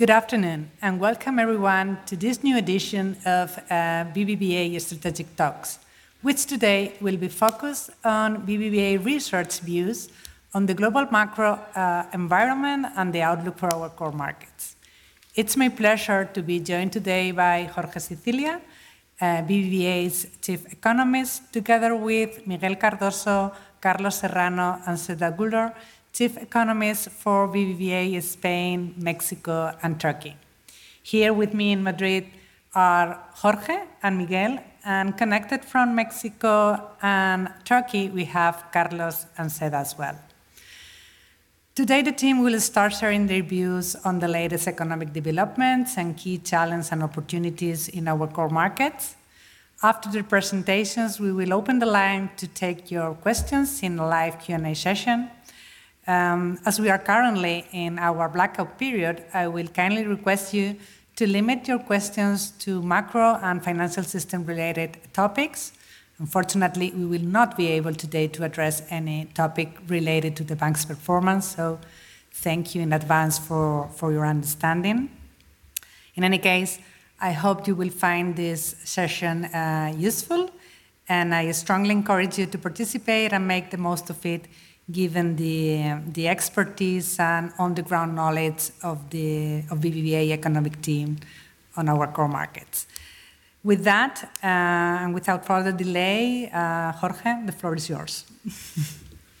Good afternoon. Welcome everyone to this new edition of BBVA Strategic Talks, which today will be focused on BBVA Research views on the global macro environment and the outlook for our core markets. It's my pleasure to be joined today by Jorge Sicilia, BBVA's Chief Economist, together with Miguel Cardoso, Carlos Serrano, and Seda Güler, Chief Economists for BBVA Spain, Mexico, and Türkiye. Here with me in Madrid are Jorge and Miguel, and connected from Mexico and Türkiye, we have Carlos and Seda as well. Today, the team will start sharing their views on the latest economic developments and key challenges and opportunities in our core markets. After their presentations, we will open the line to take your questions in a live Q and A session. As we are currently in our blackout period, I will kindly request you to limit your questions to macro and financial system-related topics. Unfortunately, we will not be able today to address any topic related to the bank's performance. Thank you in advance for your understanding. In any case, I hope you will find this session useful. I strongly encourage you to participate and make the most of it, given the expertise and on-the-ground knowledge of the BBVA economic team on our core markets. With that, without further delay, Jorge, the floor is yours.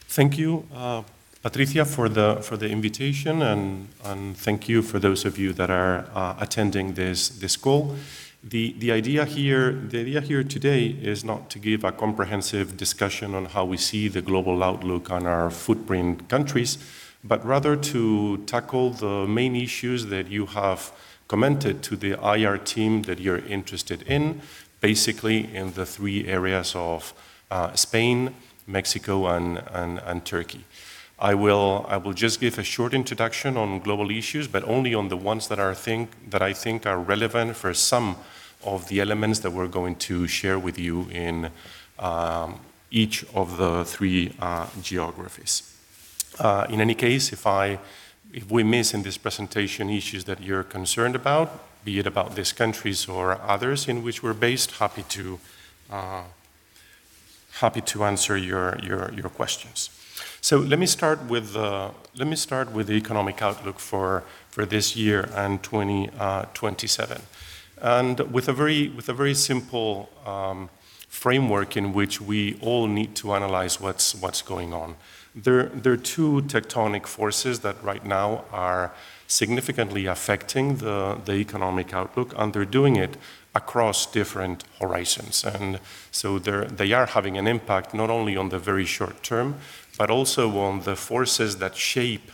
Thank you, Patricia, for the invitation. Thank you for those of you that are attending this call. The idea here today is not to give a comprehensive discussion on how we see the global outlook on our footprint countries, but rather to tackle the main issues that you have commented to the IR team that you're interested in, basically in the three areas of Spain, Mexico, and Türkiye. I will just give a short introduction on global issues, only on the ones that I think are relevant for some of the elements that we're going to share with you in each of the three geographies. In any case, if we miss in this presentation issues that you're concerned about, be it about these countries or others in which we're based, happy to answer your questions. Let me start with the economic outlook for this year and 2027, with a very simple framework in which we all need to analyze what's going on. There are two tectonic forces that right now are significantly affecting the economic outlook. They're doing it across different horizons. They are having an impact not only on the very short term, also on the forces that shape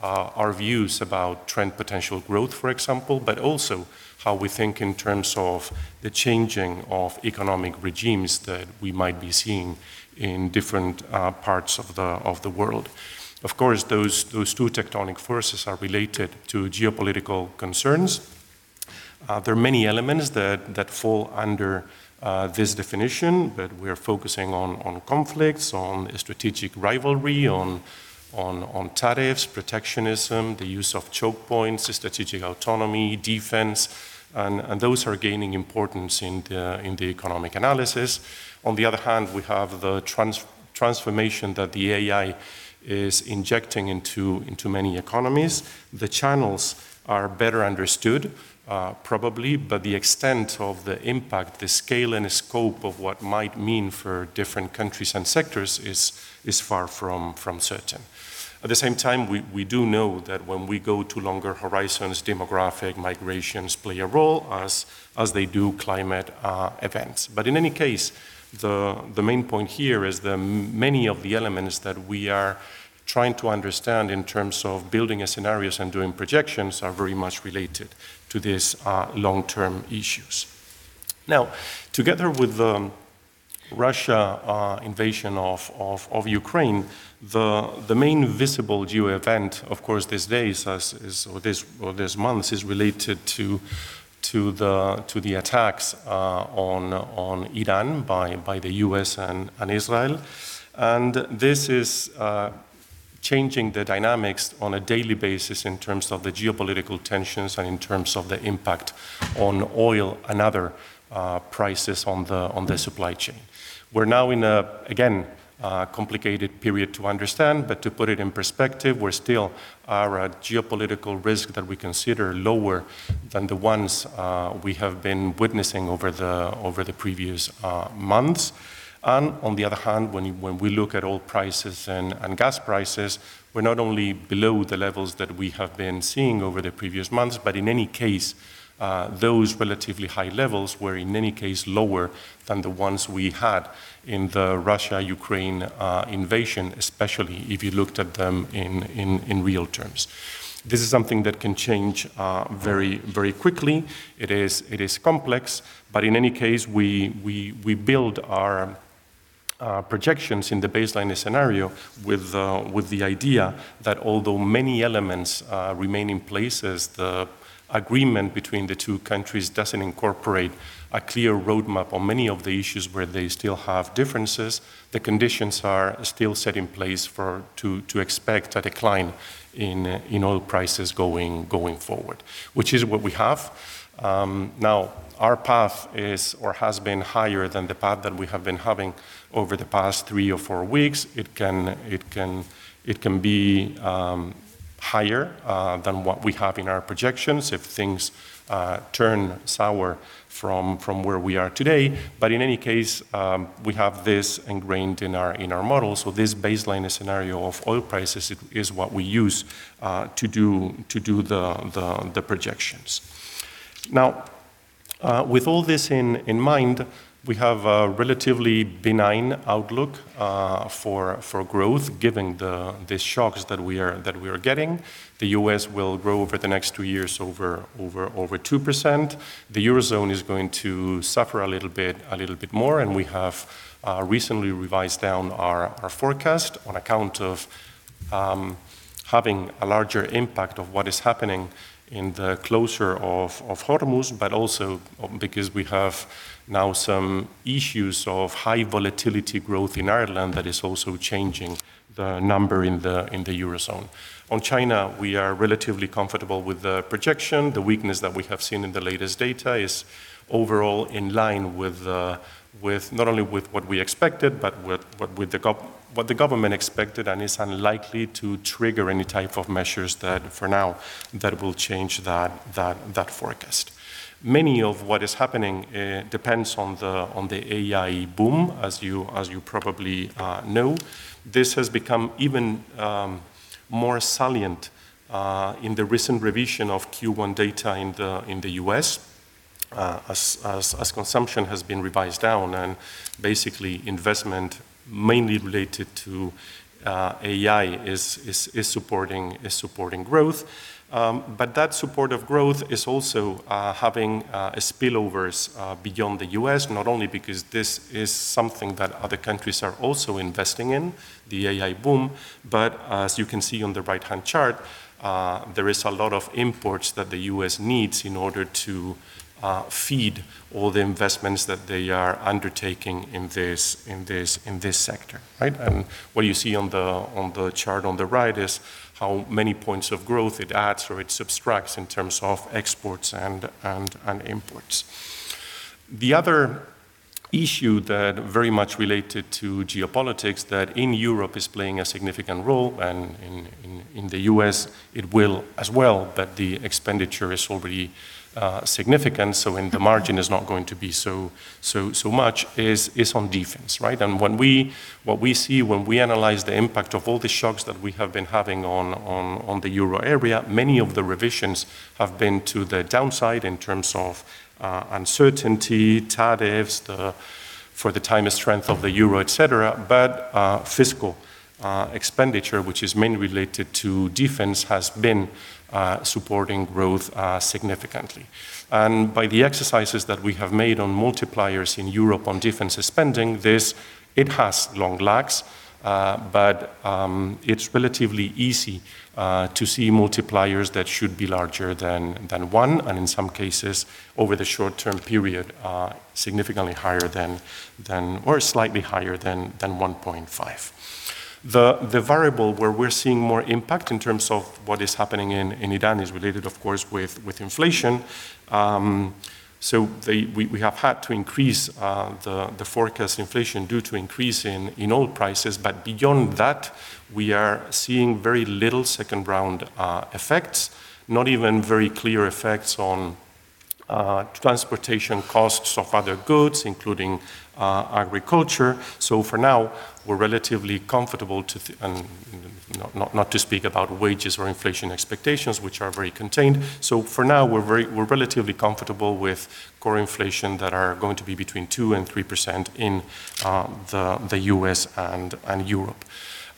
our views about trend potential growth, for example, also how we think in terms of the changing of economic regimes that we might be seeing in different parts of the world. Of course, those two tectonic forces are related to geopolitical concerns. There are many elements that fall under this definition. We are focusing on conflicts, on strategic rivalry, on tariffs, protectionism, the use of choke points, strategic autonomy, defense, and those are gaining importance in the economic analysis. On the other hand, we have the transformation that the AI is injecting into many economies. The channels are better understood, probably, but the extent of the impact, the scale and scope of what might mean for different countries and sectors is far from certain. At the same time, we do know that when we go to longer horizons, demographic migrations play a role, as do climate events. In any case, the main point here is that many of the elements that we are trying to understand in terms of building scenarios and doing projections are very much related to these long-term issues. Together with the Russia invasion of Ukraine, the main visible geo event, of course, these days or this month, is related to the attacks on Iran by the U.S. and Israel. This is changing the dynamics on a daily basis in terms of the geopolitical tensions and in terms of the impact on oil and other prices on the supply chain. We're now in a, again, complicated period to understand, but to put it in perspective, we still are at geopolitical risk that we consider lower than the ones we have been witnessing over the previous months. On the other hand, when we look at oil prices and gas prices, we're not only below the levels that we have been seeing over the previous months, but in any case, those relatively high levels were, in any case, lower than the ones we had in the Russia-Ukraine invasion, especially if you looked at them in real terms. This is something that can change very quickly. It is complex, but in any case, we build our projections in the baseline scenario with the idea that although many elements remain in place as the agreement between the two countries doesn't incorporate a clear roadmap on many of the issues where they still have differences, the conditions are still set in place to expect a decline in oil prices going forward, which is what we have. Our path is or has been higher than the path that we have been having over the past three or four weeks. It can be higher than what we have in our projections if things turn sour from where we are today. In any case, we have this ingrained in our model. This baseline scenario of oil prices is what we use to do the projections. With all this in mind, we have a relatively benign outlook for growth given the shocks that we are getting. The U.S. will grow over the next two years over 2%. The Eurozone is going to suffer a little bit more. We have recently revised down our forecast on account of having a larger impact of what is happening in the closure of Hormuz, also because we have now some issues of high volatility growth in Ireland that is also changing the number in the Eurozone. On China, we are relatively comfortable with the projection. The weakness that we have seen in the latest data is overall in line not only with what we expected, with what the government expected, is unlikely to trigger any type of measures that, for now, will change that forecast. Many of what is happening depends on the AI boom, as you probably know. This has become even more salient in the recent revision of Q1 data in the U.S. as consumption has been revised down, basically investment mainly related to AI is supporting growth. That support of growth is also having spillovers beyond the U.S., not only because this is something that other countries are also investing in, the AI boom, but as you can see on the right-hand chart, there is a lot of imports that the U.S. needs in order to feed all the investments that they are undertaking in this sector. Right? What you see on the chart on the right is how many points of growth it adds or it subtracts in terms of exports and imports. The other issue that very much related to geopolitics that in Europe is playing a significant role, in the U.S. It will as well, but the expenditure is already significant, in the margin is not going to be so much, is on defense. Right? What we see when we analyze the impact of all the shocks that we have been having on the Euro area, many of the revisions have been to the downside in terms of uncertainty, tariffs, for the time strength of the Euro, et cetera. Fiscal expenditure, which is mainly related to defense, has been supporting growth significantly. By the exercises that we have made on multipliers in Europe on defense spending, it has long lags, but it is relatively easy to see multipliers that should be larger than one, in some cases, over the short-term period, significantly higher than, or slightly higher than 1.5. The variable where we are seeing more impact in terms of what is happening in Iran is related, of course, with inflation. We have had to increase the forecast inflation due to increase in oil prices. Beyond that, we are seeing very little second-round effects, not even very clear effects on transportation costs of other goods, including agriculture. For now, we are relatively comfortable not to speak about wages or inflation expectations, which are very contained. For now, we are relatively comfortable with core inflation that are going to be between 2% and 3% in the U.S. and Europe.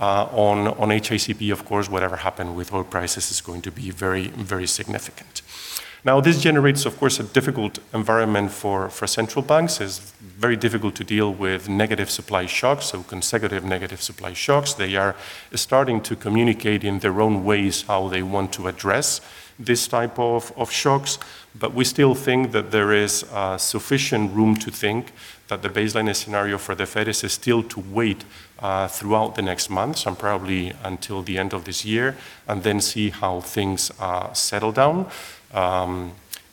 On HICP, of course, whatever happens with oil prices is going to be very significant. Now, this generates, of course, a difficult environment for central banks. It's very difficult to deal with negative supply shocks, so consecutive negative supply shocks. They are starting to communicate in their own ways how they want to address this type of shocks. We still think that there is sufficient room to think that the baseline scenario for the Fed is still to wait throughout the next months and probably until the end of this year and then see how things settle down.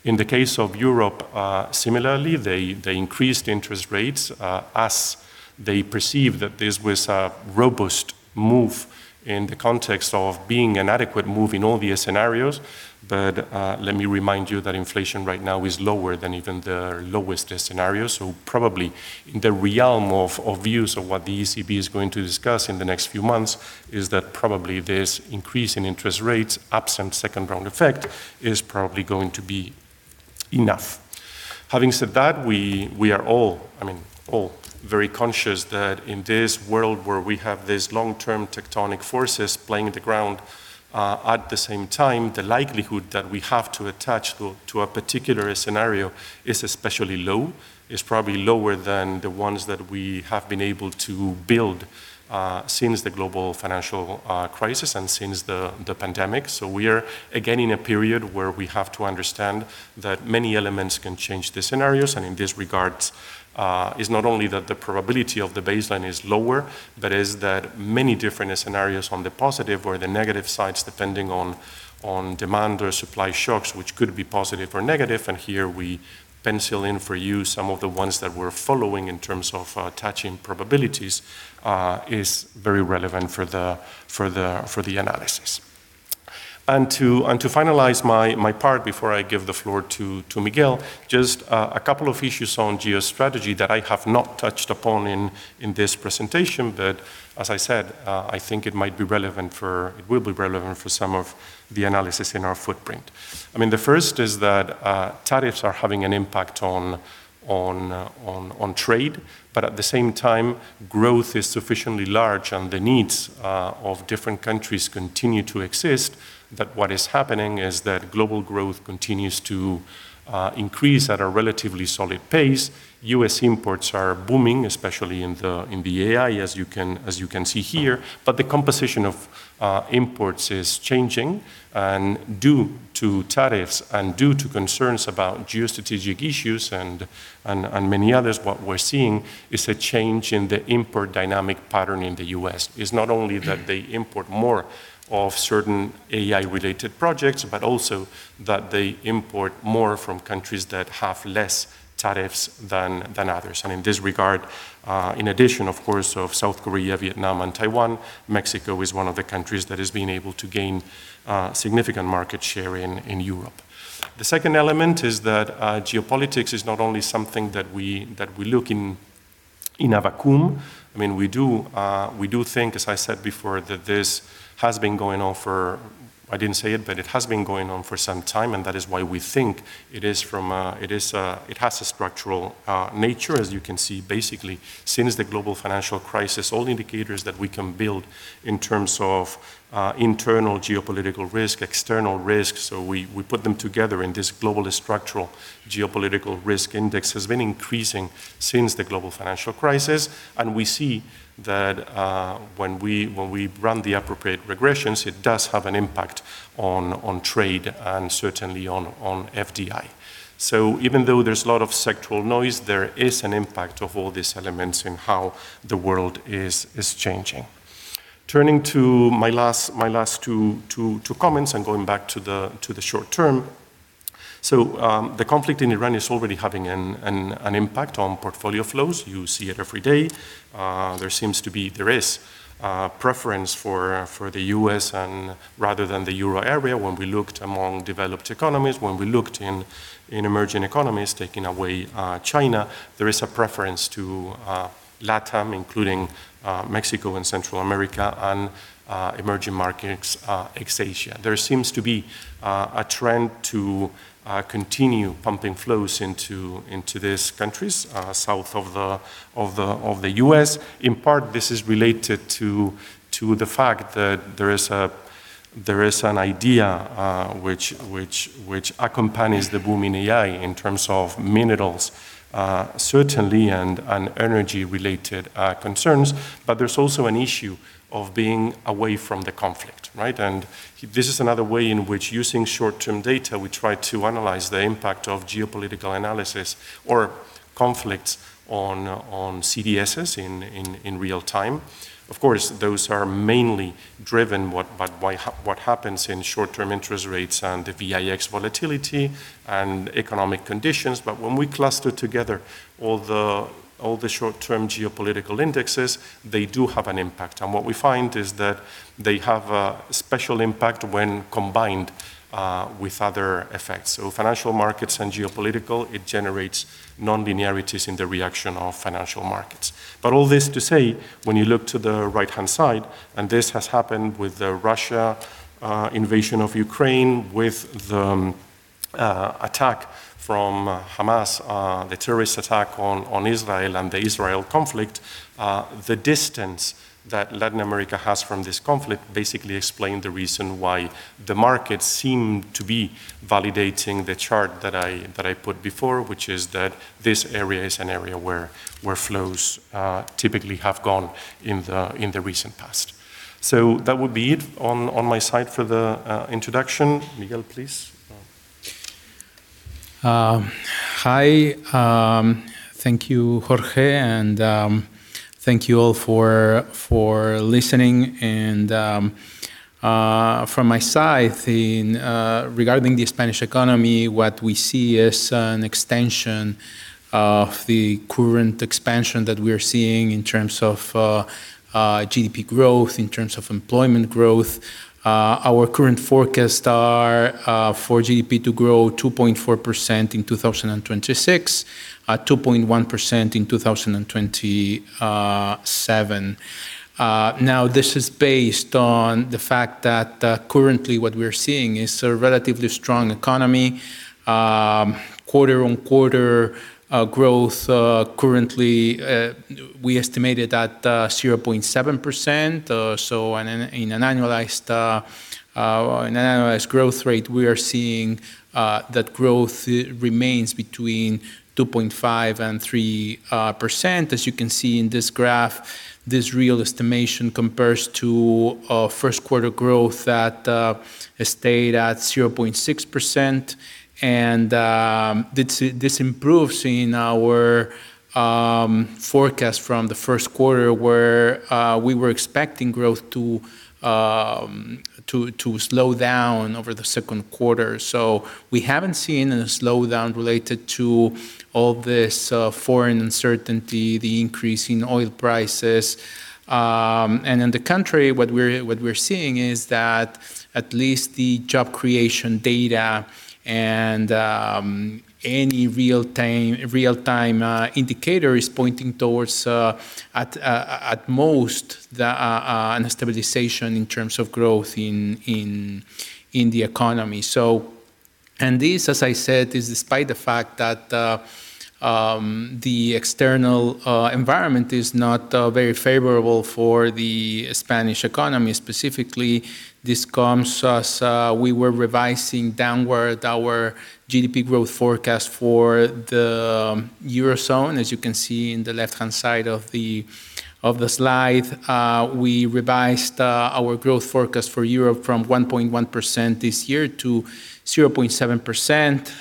In the case of Europe, similarly, they increased interest rates as they perceived that this was a robust move in the context of being an adequate move in all the scenarios. Let me remind you that inflation right now is lower than even the lowest scenario. Probably in the realm of views of what the ECB is going to discuss in the next few months is that probably this increase in interest rates, absent second-round effect, is probably going to be enough. Having said that, we are all very conscious that in this world where we have these long-term tectonic forces playing in the ground, at the same time, the likelihood that we have to attach to a particular scenario is especially low. It's probably lower than the ones that we have been able to build since the global financial crisis and since the pandemic. We are again in a period where we have to understand that many elements can change the scenarios, and in this regard, it's not only that the probability of the baseline is lower, but is that many different scenarios on the positive or the negative sides, depending on demand or supply shocks, which could be positive or negative. Here we pencil in for you some of the ones that we're following in terms of attaching probabilities, is very relevant for the analysis. To finalize my part before I give the floor to Miguel, just a couple of issues on geostrategy that I have not touched upon in this presentation. As I said, I think it will be relevant for some of the analysis in our footprint. The first is that tariffs are having an impact on trade, but at the same time, growth is sufficiently large, and the needs of different countries continue to exist, that what is happening is that global growth continues to increase at a relatively solid pace. U.S. imports are booming, especially in the AI, as you can see here, but the composition of imports is changing, and due to tariffs and due to concerns about geostrategic issues and many others, what we're seeing is a change in the import dynamic pattern in the U.S. It's not only that they import more of certain AI-related projects, but also that they import more from countries that have less tariffs than others. In this regard, in addition, of course, of South Korea, Vietnam, and Taiwan, Mexico is one of the countries that has been able to gain significant market share in Europe. The second element is that geopolitics is not only something that we look in a vacuum. We do think, as I said before, I didn't say it, but it has been going on for some time, and that is why we think it has a structural nature. As you can see, basically, since the global financial crisis, all indicators that we can build in terms of internal geopolitical risk, external risk, so we put them together in this global structural geopolitical risk index, has been increasing since the global financial crisis. We see that when we run the appropriate regressions, it does have an impact on trade and certainly on FDI. Even though there's a lot of sectoral noise, there is an impact of all these elements in how the world is changing. Turning to my last two comments and going back to the short term. The conflict in Iran is already having an impact on portfolio flows. You see it every day. There is a preference for the U.S. rather than the Euro area when we looked among developed economies, when we looked in emerging economies, taking away China, there is a preference to LATAM, including Mexico and Central America, and emerging markets, ex Asia. There seems to be a trend to continue pumping flows into these countries south of the U.S. In part, this is related to the fact that there is an idea which accompanies the boom in AI in terms of minerals, certainly, and energy-related concerns. There's also an issue of being away from the conflict. Right? This is another way in which using short-term data, we try to analyze the impact of geopolitical analysis or conflicts on CDSs in real-time. Of course, those are mainly driven by what happens in short-term interest rates and the VIX volatility and economic conditions. When we cluster together all the short-term geopolitical indexes, they do have an impact. What we find is that they have a special impact when combined with other effects. Financial markets and geopolitical, it generates non-linearities in the reaction of financial markets. All this to say, when you look to the right-hand side, and this has happened with the Russia invasion of Ukraine, with the attack from Hamas, the terrorist attack on Israel, and the Israel conflict, the distance that Latin America has from this conflict basically explained the reason why the markets seem to be validating the chart that I put before, which is that this area is an area where flows typically have gone in the recent past. That would be it on my side for the introduction. Miguel, please. Hi. Thank you, Jorge, and thank you all for listening. From my side, regarding the Spanish economy, what we see is an extension of the current expansion that we're seeing in terms of GDP growth, in terms of employment growth. Our current forecasts are for GDP to grow 2.4% in 2026, at 2.1% in 2027. This is based on the fact that currently what we're seeing is a relatively strong economy. Quarter-on-quarter growth, currently, we estimate it at 0.7%. In an annualized growth rate, we are seeing that growth remains between 2.5% and 3%. As you can see in this graph, this real estimation compares to first quarter growth that stayed at 0.6%, and this improves in our forecast from the first quarter where we were expecting growth to slow down over the second quarter. We haven't seen a slowdown related to all this foreign uncertainty, the increase in oil prices. On the contrary, what we're seeing is that at least the job creation data and any real-time indicator is pointing towards, at most, a stabilization in terms of growth in the economy. This, as I said, is despite the fact that the external environment is not very favorable for the Spanish economy. Specifically, this comes as we were revising downward our GDP growth forecast for the Eurozone. As you can see in the left-hand side of the slide. We revised our growth forecast for Europe from 1.1% this year to 0.7%,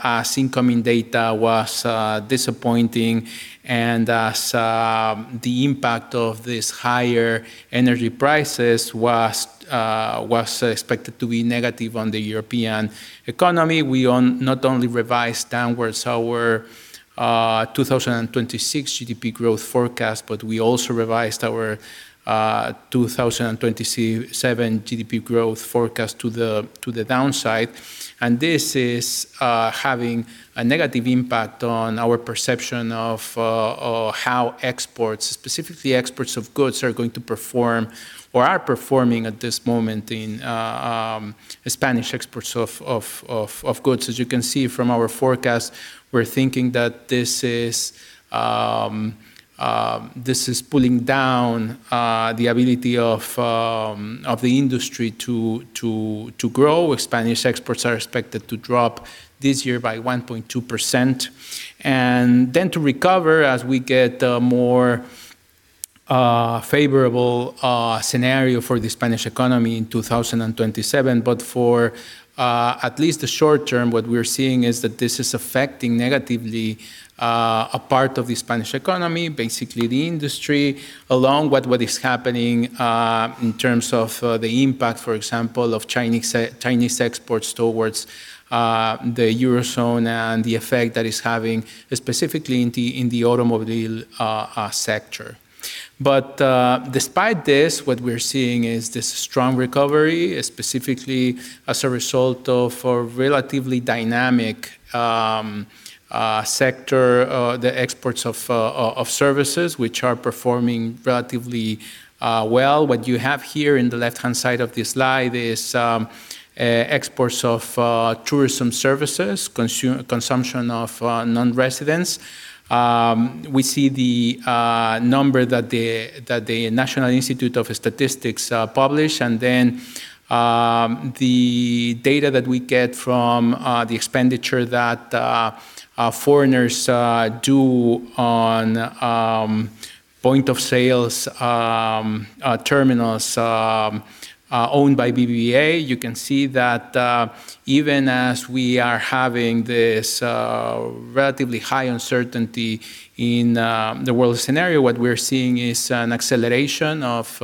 as incoming data was disappointing and as the impact of these higher energy prices was expected to be negative on the European economy. We not only revised downwards our 2026 GDP growth forecast, but we also revised our 2027 GDP growth forecast to the downside. This is having a negative impact on our perception of how exports, specifically exports of goods, are going to perform or are performing at this moment in Spanish exports of goods. As you can see from our forecast, we're thinking that this is pulling down the ability of the industry to grow. Spanish exports are expected to drop this year by 1.2%, and then to recover as we get a more favorable scenario for the Spanish economy in 2027. For at least the short term, what we're seeing is that this is affecting negatively a part of the Spanish economy, basically the industry, along with what is happening in terms of the impact, for example, of Chinese exports towards the Eurozone and the effect that is having specifically in the automobile sector. Despite this, what we're seeing is this strong recovery, specifically as a result of a relatively dynamic sector, the exports of services, which are performing relatively well. What you have here in the left-hand side of this slide is exports of tourism services, consumption of non-residents. We see the number that the National Institute of Statistics publish, and then the data that we get from the expenditure that foreigners do on point-of-sales terminals owned by BBVA. You can see that even as we are having this relatively high uncertainty in the world scenario, what we're seeing is an acceleration of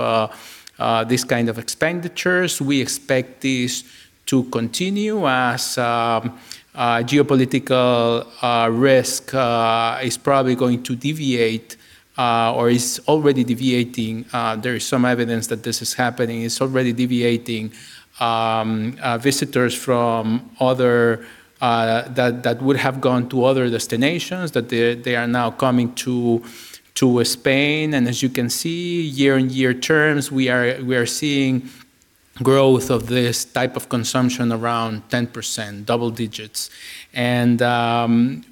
these kind of expenditures. We expect this to continue as geopolitical risk is probably going to deviate or is already deviating. There is some evidence that this is happening. It's already deviating visitors that would have gone to other destinations, that they are now coming to Spain. As you can see, year-on-year terms, we are seeing growth of this type of consumption around 10%, double digits.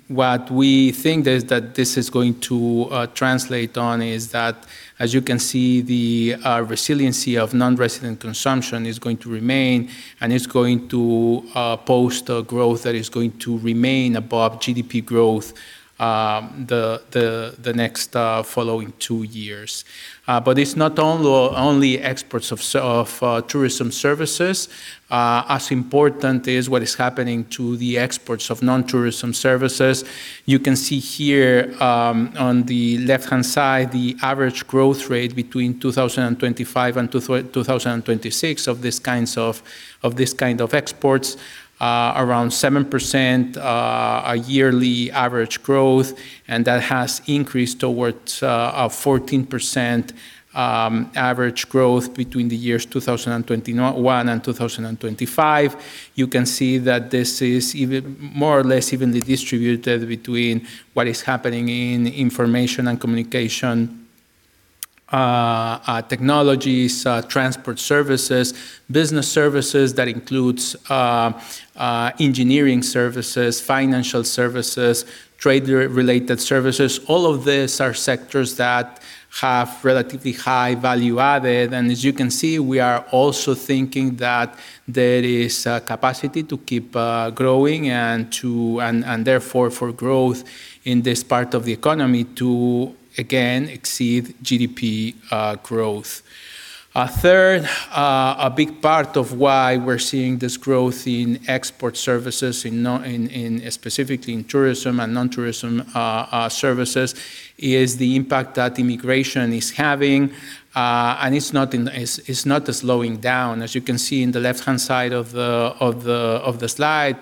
What we think that this is going to translate on is that, as you can see, the resiliency of nonresident consumption is going to remain, and it's going to post a growth that is going to remain above GDP growth the next following two years. It's not only exports of tourism services. As important is what is happening to the exports of non-tourism services. You can see here, on the left-hand side, the average growth rate between 2025 and 2026 of this kind of exports, around 7% yearly average growth, and that has increased towards a 14% average growth between the years 2021 and 2025. You can see that this is more or less evenly distributed between what is happening in information and communication technologies, transport services, business services, that includes engineering services, financial services, trade-related services. All of these are sectors that have relatively high value added. As you can see, we are also thinking that there is capacity to keep growing and therefore for growth in this part of the economy to, again, exceed GDP growth. Third, a big part of why we're seeing this growth in export services, specifically in tourism and non-tourism services, is the impact that immigration is having. It's not slowing down. As you can see in the left-hand side of the slide,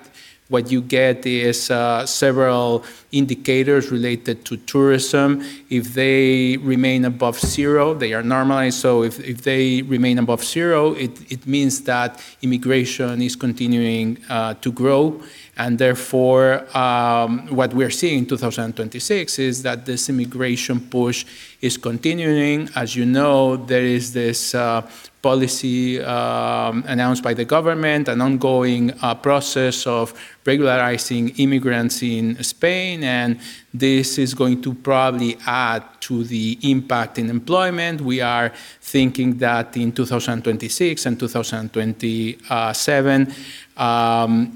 what you get is several indicators related to tourism. If they remain above zero, they are normalized. If they remain above zero, it means that immigration is continuing to grow, and therefore, what we're seeing in 2026 is that this immigration push is continuing. As you know, there is this policy announced by the government, an ongoing process of regularizing immigrants in Spain, and this is going to probably add to the impact in employment. We are thinking that in 2026 and 2027,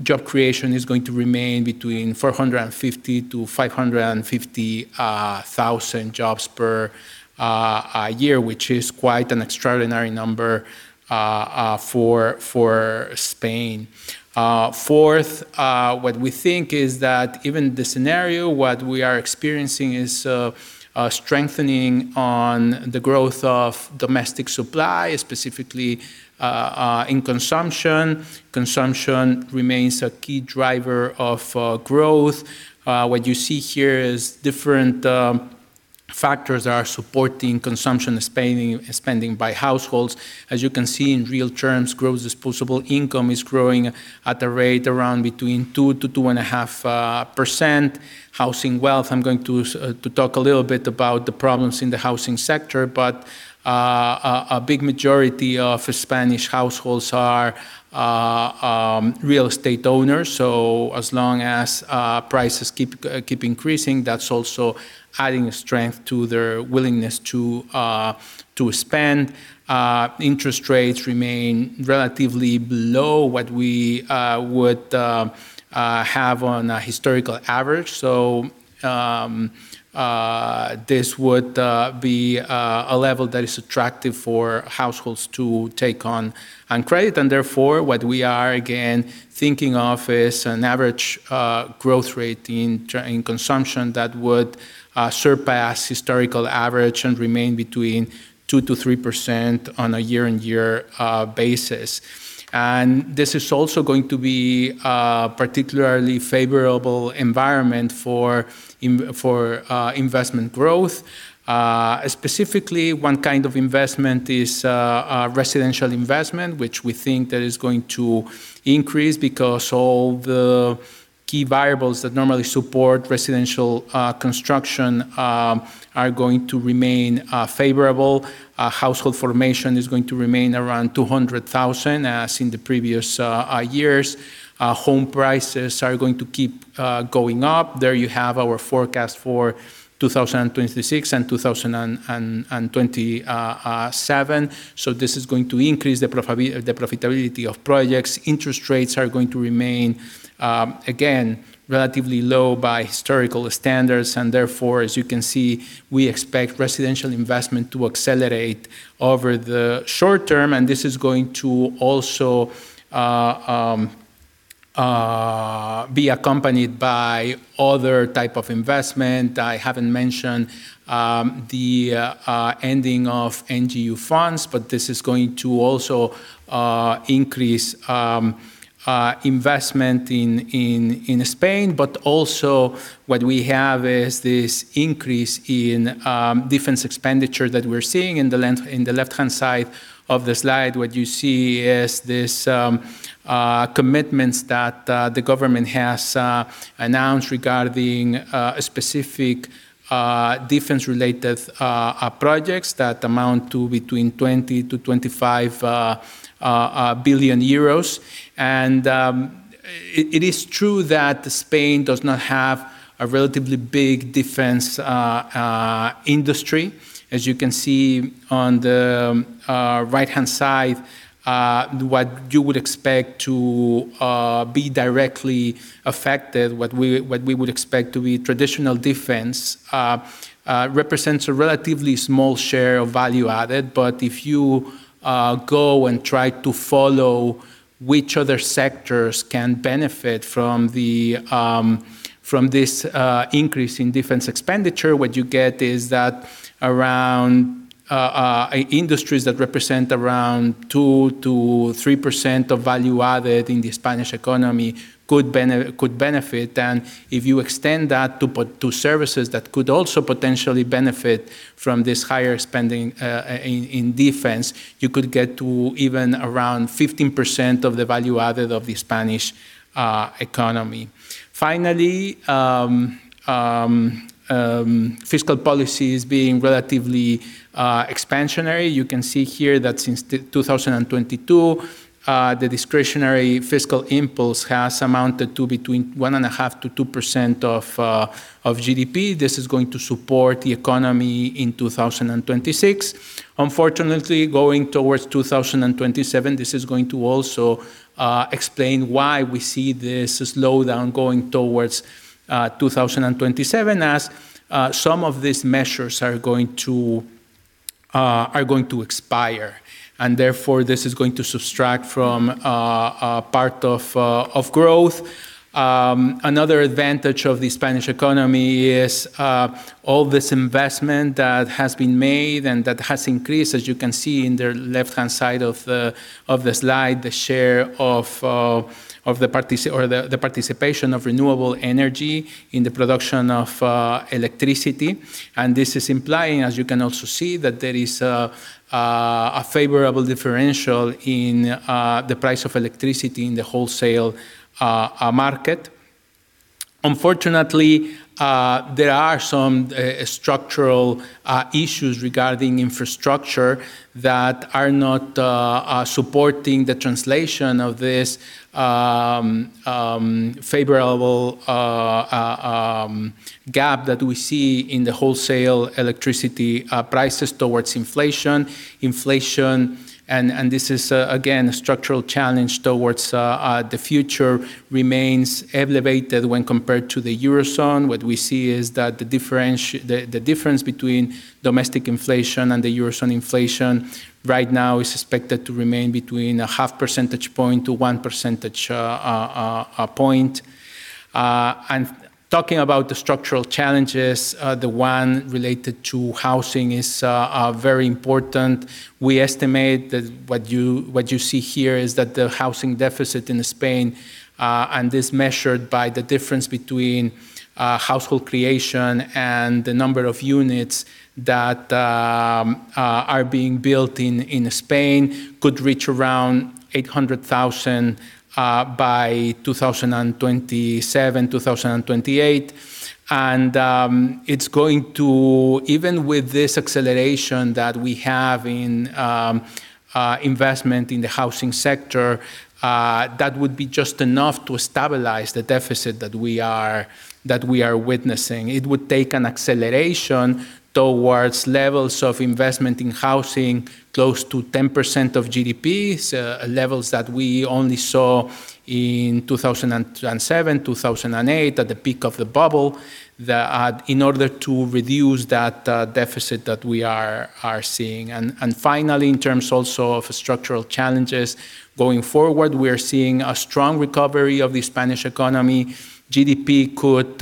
job creation is going to remain between 450,000-550,000 jobs per year, which is quite an extraordinary number for Spain. Fourth, what we think is that even the scenario, what we are experiencing is a strengthening on the growth of domestic supply, specifically in consumption. Consumption remains a key driver of growth. What you see here is different factors are supporting consumption spending by households. As you can see, in real terms, gross disposable income is growing at a rate around between 2%-2.5%. Housing wealth, I'm going to talk a little bit about the problems in the housing sector. A big majority of Spanish households are real estate owners. As long as prices keep increasing, that's also adding strength to their willingness to spend. Interest rates remain relatively below what we would have on a historical average. This would be a level that is attractive for households to take on credit. Therefore, what we are again thinking of is an average growth rate in consumption that would surpass historical average and remain between 2%-3% on a year-on-year basis. This is also going to be a particularly favorable environment for investment growth. Specifically, one kind of investment is residential investment, which we think that is going to increase because all the key variables that normally support residential construction are going to remain favorable. Household formation is going to remain around 200,000 as in the previous years. Home prices are going to keep going up. There you have our forecast for 2026 and 2027. This is going to increase the profitability of projects. Interest rates are going to remain, again, relatively low by historical standards. Therefore, as you can see, we expect residential investment to accelerate over the short term, and this is going to also be accompanied by other type of investment. I haven't mentioned the ending of NGEU funds, this is going to also increase investment in Spain. Also what we have is this increase in defense expenditure that we're seeing. In the left-hand side of the slide, what you see is this commitments that the government has announced regarding specific defense-related projects that amount to between 20 billion-25 billion euros. It is true that Spain does not have a relatively big defense industry. As you can see on the right-hand side, what you would expect to be directly affected, what we would expect to be traditional defense, represents a relatively small share of value added. If you go and try to follow which other sectors can benefit from this increase in defense expenditure, what you get is that industries that represent around 2%-3% of value added in the Spanish economy could benefit. If you extend that to services that could also potentially benefit from this higher spending in defense, you could get to even around 15% of the value added of the Spanish economy. Finally, fiscal policy is being relatively expansionary. You can see here that since 2022, the discretionary fiscal impulse has amounted to between 1.5%-2% of GDP. This is going to support the economy in 2026. Unfortunately, going towards 2027, this is going to also explain why we see this slowdown going towards 2027, as some of these measures are going to expire. Therefore, this is going to subtract from part of growth. Another advantage of the Spanish economy is all this investment that has been made and that has increased, as you can see in the left-hand side of the slide, the participation of renewable energy in the production of electricity. This is implying, as you can also see, that there is a favorable differential in the price of electricity in the wholesale market. Unfortunately, there are some structural issues regarding infrastructure that are not supporting the translation of this favorable gap that we see in the wholesale electricity prices towards inflation. This is, again, a structural challenge towards the future remains elevated when compared to the Eurozone. What we see is that the difference between domestic inflation and the Eurozone inflation right now is suspected to remain between 0.5-1 percentage point. Talking about the structural challenges, the one related to housing is very important. We estimate that what you see here is that the housing deficit in Spain, and this measured by the difference between household creation and the number of units that are being built in Spain, could reach around 800,000 by 2027-2028. Even with this acceleration that we have in investment in the housing sector, that would be just enough to stabilize the deficit that we are witnessing. It would take an acceleration towards levels of investment in housing close to 10% of GDP, levels that we only saw in 2007-2008, at the peak of the bubble, in order to reduce that deficit that we are seeing. Finally, in terms also of structural challenges, going forward, we are seeing a strong recovery of the Spanish economy. GDP could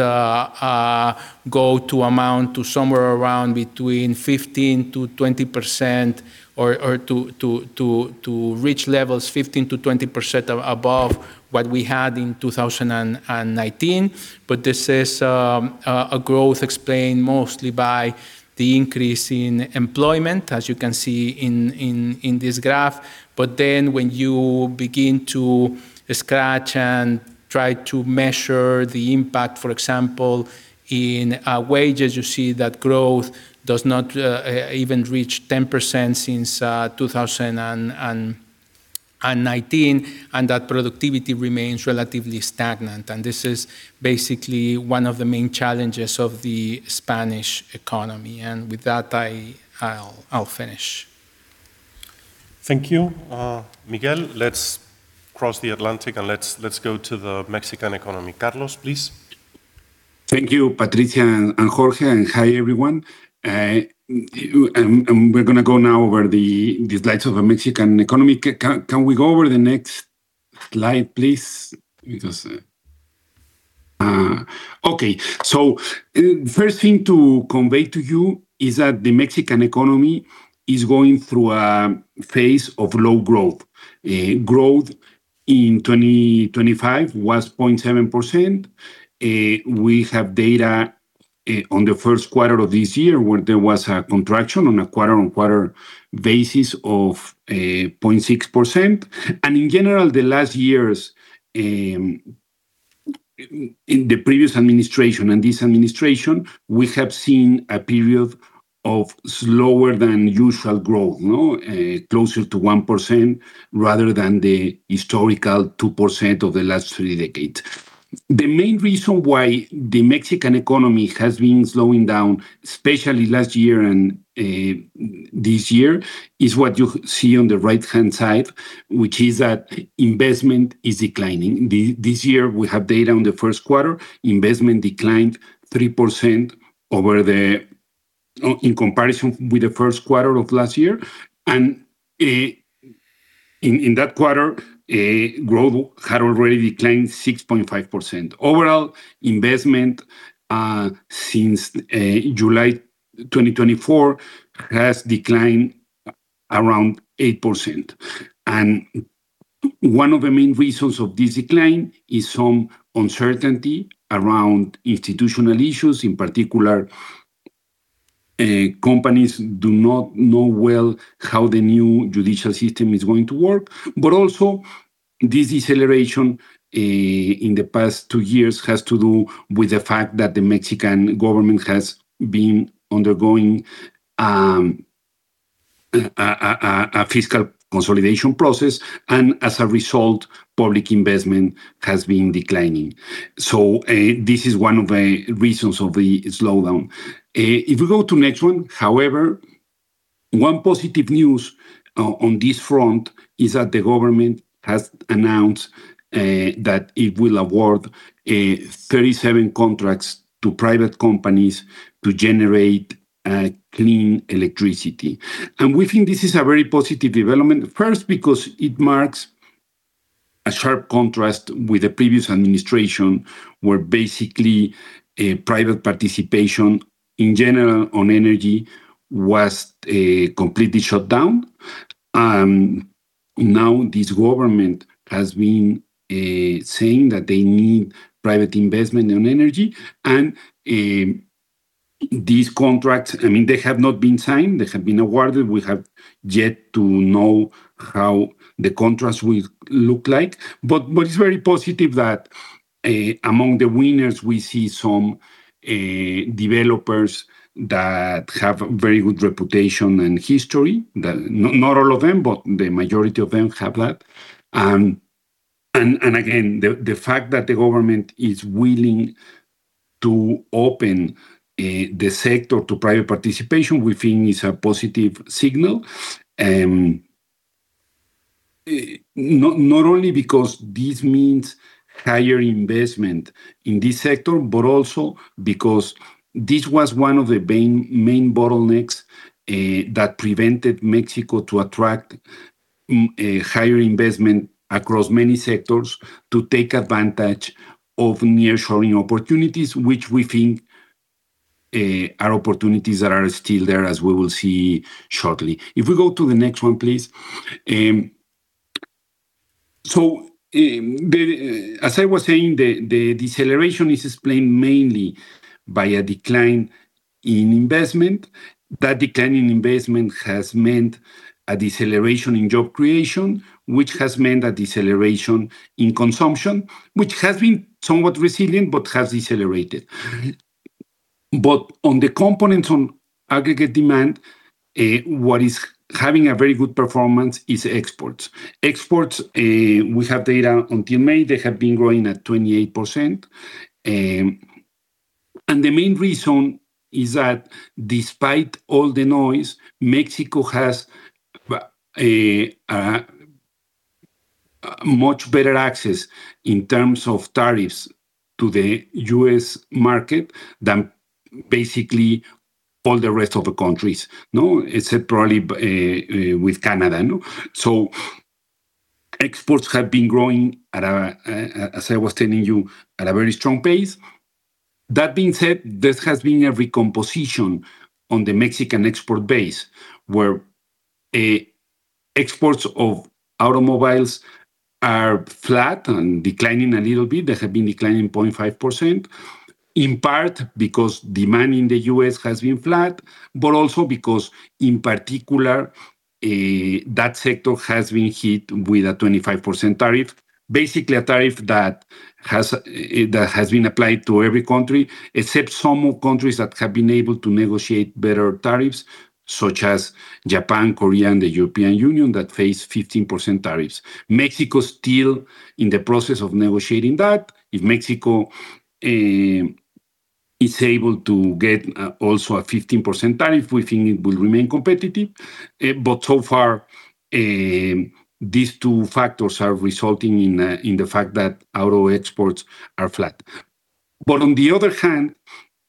go to amount to somewhere around between 15%-20%, or to reach levels 15%-20% above what we had in 2019. This is a growth explained mostly by the increase in employment, as you can see in this graph. When you begin to scratch and try to measure the impact, for example, in wages, you see that growth does not even reach 10% since 2019, and that productivity remains relatively stagnant. This is basically one of the main challenges of the Spanish economy. With that, I'll finish. Thank you, Miguel. Let's cross the Atlantic, let's go to the Mexican economy. Carlos, please. Thank you, Patricia and Jorge, hi, everyone. We're going to go now over the slides of the Mexican economy. Can we go over the next slide, please? The first thing to convey to you is that the Mexican economy is going through a phase of low growth. Growth in 2025 was 0.7%. We have data on the first quarter of this year, where there was a contraction on a quarter-on-quarter basis of 0.6%. In general, the last years, in the previous administration and this administration, we have seen a period of slower than usual growth. Closer to 1%, rather than the historical 2% of the last three decades. The main reason why the Mexican economy has been slowing down, especially last year and this year, is what you see on the right-hand side, which is that investment is declining. This year, we have data on the first quarter, investment declined 3% in comparison with the first quarter of last year. In that quarter, growth had already declined 6.5%. Overall, investment since July 2024 has declined around 8%. One of the main reasons of this decline is some uncertainty around institutional issues. In particular, companies do not know well how the new judicial system is going to work. But also, this deceleration in the past two years has to do with the fact that the Mexican government has been undergoing a fiscal consolidation process, and as a result, public investment has been declining. This is one of the reasons of the slowdown. If we go to next one. However, one positive news on this front is that the government has announced that it will award 37 contracts to private companies to generate clean electricity. We think this is a very positive development. First, because it marks a sharp contrast with the previous administration, where basically private participation in general on energy was completely shut down. Now this government has been saying that they need private investment in energy, and these contracts, they have not been signed, they have been awarded. We have yet to know how the contracts will look like. But it is very positive that among the winners, we see some developers that have very good reputation and history. Not all of them, but the majority of them have that. Again, the fact that the government is willing to open the sector to private participation, we think is a positive signal. Not only because this means higher investment in this sector, but also because this was one of the main bottlenecks that prevented Mexico to attract higher investment across many sectors to take advantage of nearshoring opportunities, which we think are opportunities that are still there, as we will see shortly. If we go to the next one, please. As I was saying, the deceleration is explained mainly by a decline in investment. That decline in investment has meant a deceleration in job creation, which has meant a deceleration in consumption, which has been somewhat resilient but has decelerated. But on the components on aggregate demand, what is having a very good performance is exports. Exports, we have data until May. They have been growing at 28%. The main reason is that despite all the noise, Mexico has much better access in terms of tariffs to the U.S. market than basically all the rest of the countries. Except probably with Canada. So exports have been growing, as I was telling you, at a very strong pace. That being said, this has been a recomposition on the Mexican export base, where exports of automobiles are flat and declining a little bit. They have been declining 0.5%, in part because demand in the U.S. has been flat, but also because, in particular, that sector has been hit with a 25% tariff. Basically, a tariff that has been applied to every country, except some countries that have been able to negotiate better tariffs, such as Japan, Korea, and the European Union that face 15% tariffs. Mexico is still in the process of negotiating that. If Mexico is able to get also a 15% tariff, we think it will remain competitive. So far, these two factors are resulting in the fact that auto exports are flat. On the other hand,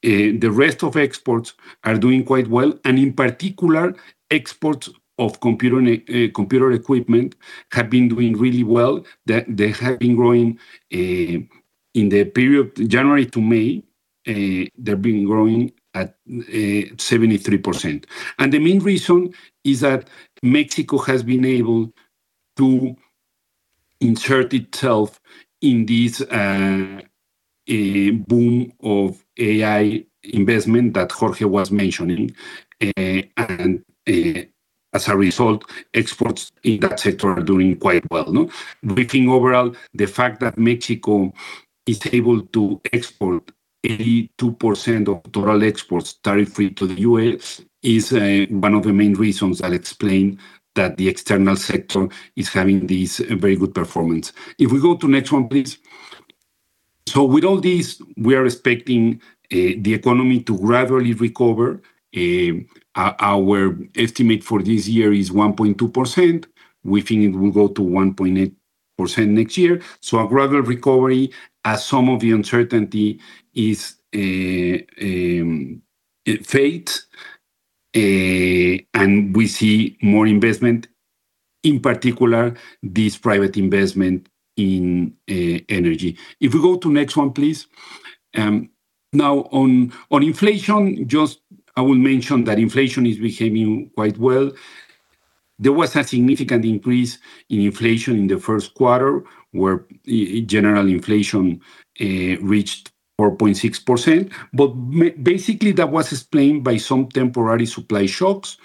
the rest of exports are doing quite well. In particular, exports of computer equipment have been doing really well. They have been growing in the period January to May, they've been growing at 73%. The main reason is that Mexico has been able to insert itself in this boom of AI investment that Jorge was mentioning. As a result, exports in that sector are doing quite well. Looking overall, the fact that Mexico is able to export 82% of total exports tariff-free to the U.S. is one of the main reasons I will explain that the external sector is having this very good performance. If we go to next one, please. With all this, we are expecting the economy to gradually recover. Our estimate for this year is 1.2%. We think it will go to 1.8% next year. A gradual recovery as some of the uncertainty fades, and we see more investment, in particular, this private investment in energy. If we go to next one, please. Now on inflation, just I will mention that inflation is behaving quite well. There was a significant increase in inflation in the first quarter, where general inflation reached 4.6%. Basically, that was explained by some temporary supply shocks,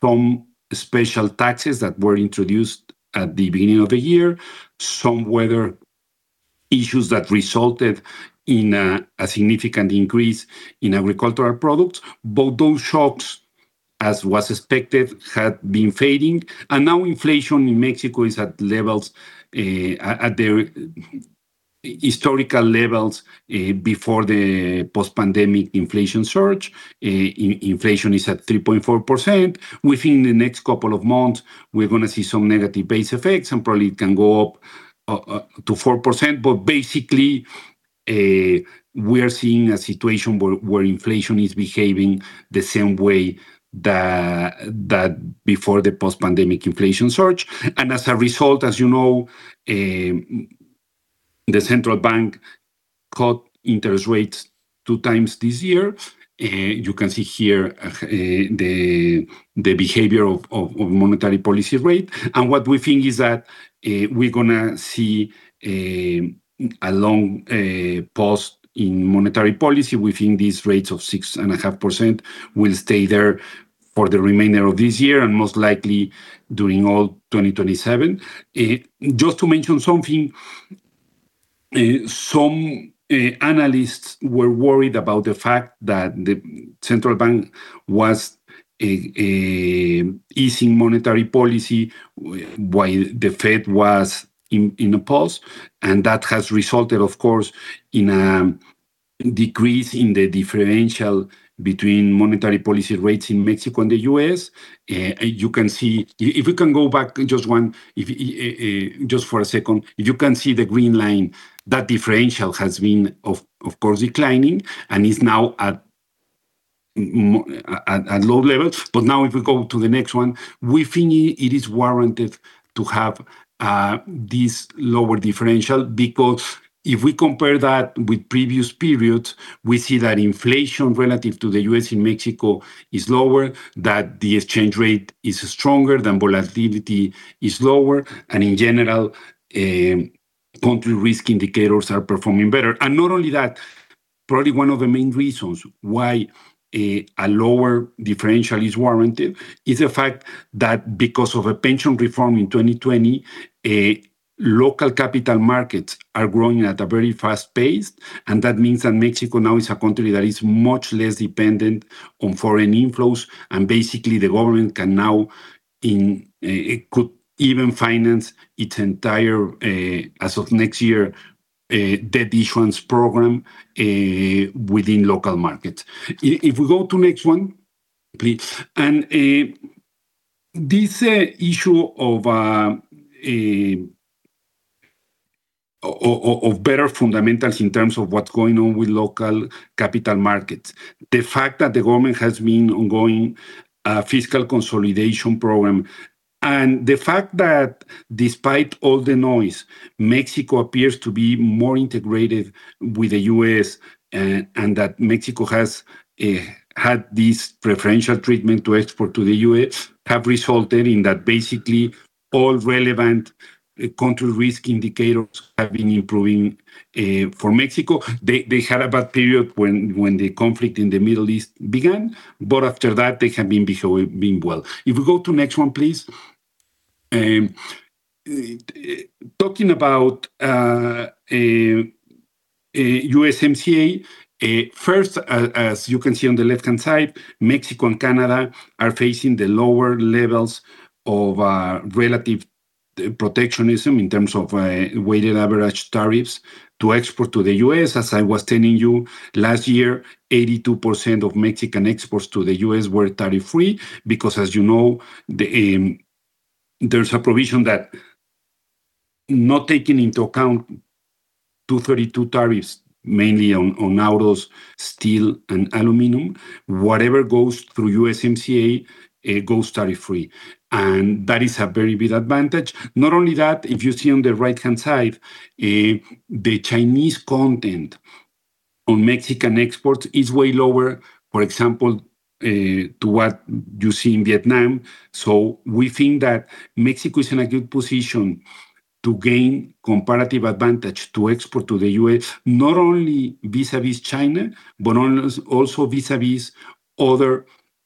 some special taxes that were introduced at the beginning of the year, some weather issues that resulted in a significant increase in agricultural products. Those shocks, as was expected, had been fading. Now inflation in Mexico is at historical levels before the post-pandemic inflation surge. Inflation is at 3.4%. Within the next couple of months, we are going to see some negative base effects, and probably it can go up to 4%. Basically, we are seeing a situation where inflation is behaving the same way that before the post-pandemic inflation surge. As a result, as you know, the Central Bank cut interest rates two times this year. You can see here the behavior of monetary policy rate. What we think is that we are going to see a long pause in monetary policy. We think these rates of 6.5% will stay there for the remainder of this year and most likely during all 2027. Just to mention something, some analysts were worried about the fact that the Central Bank was easing monetary policy while the Fed was in a pause. That has resulted, of course, in a decrease in the differential between monetary policy rates in Mexico and the U.S. If we can go back just for a second, you can see the green line. That differential has been, of course, declining and is now at low levels. Now if we go to the next one, we think it is warranted to have this lower differential because if we compare that with previous periods, we see that inflation relative to the U.S. and Mexico is lower, that the exchange rate is stronger, the volatility is lower, and in general, country risk indicators are performing better. Not only that, probably one of the main reasons why a lower differential is warranted is the fact that because of a pension reform in 2020, local capital markets are growing at a very fast pace, and that means that Mexico now is a country that is much less dependent on foreign inflows, and basically the government could even finance its entire, as of next year, debt issuance program within local markets. If we go to next one, please. This issue of better fundamentals in terms of what's going on with local capital markets, the fact that the government has been ongoing fiscal consolidation program, and the fact that despite all the noise, Mexico appears to be more integrated with the U.S. And that Mexico has had this preferential treatment to export to the U.S., have resulted in that basically all relevant country risk indicators have been improving for Mexico. They had a bad period when the conflict in the Middle East began, but after that, they have been behaving well. If we go to next one, please. Talking about USMCA, first, as you can see on the left-hand side, Mexico and Canada are facing the lower levels of relative protectionism in terms of weighted average tariffs to export to the U.S. As I was telling you, last year, 82% of Mexican exports to the U.S. were tariff-free because as you know, there's a provision that not taking into account Section 232 tariffs, mainly on autos, steel, and aluminum, whatever goes through USMCA, it goes tariff-free. That is a very big advantage. Not only that, if you see on the right-hand side, the Chinese content on Mexican exports is way lower, for example, to what you see in Vietnam. We think that Mexico is in a good position to gain comparative advantage to export to the U.S., not only vis-a-vis China, but also vis-a-vis other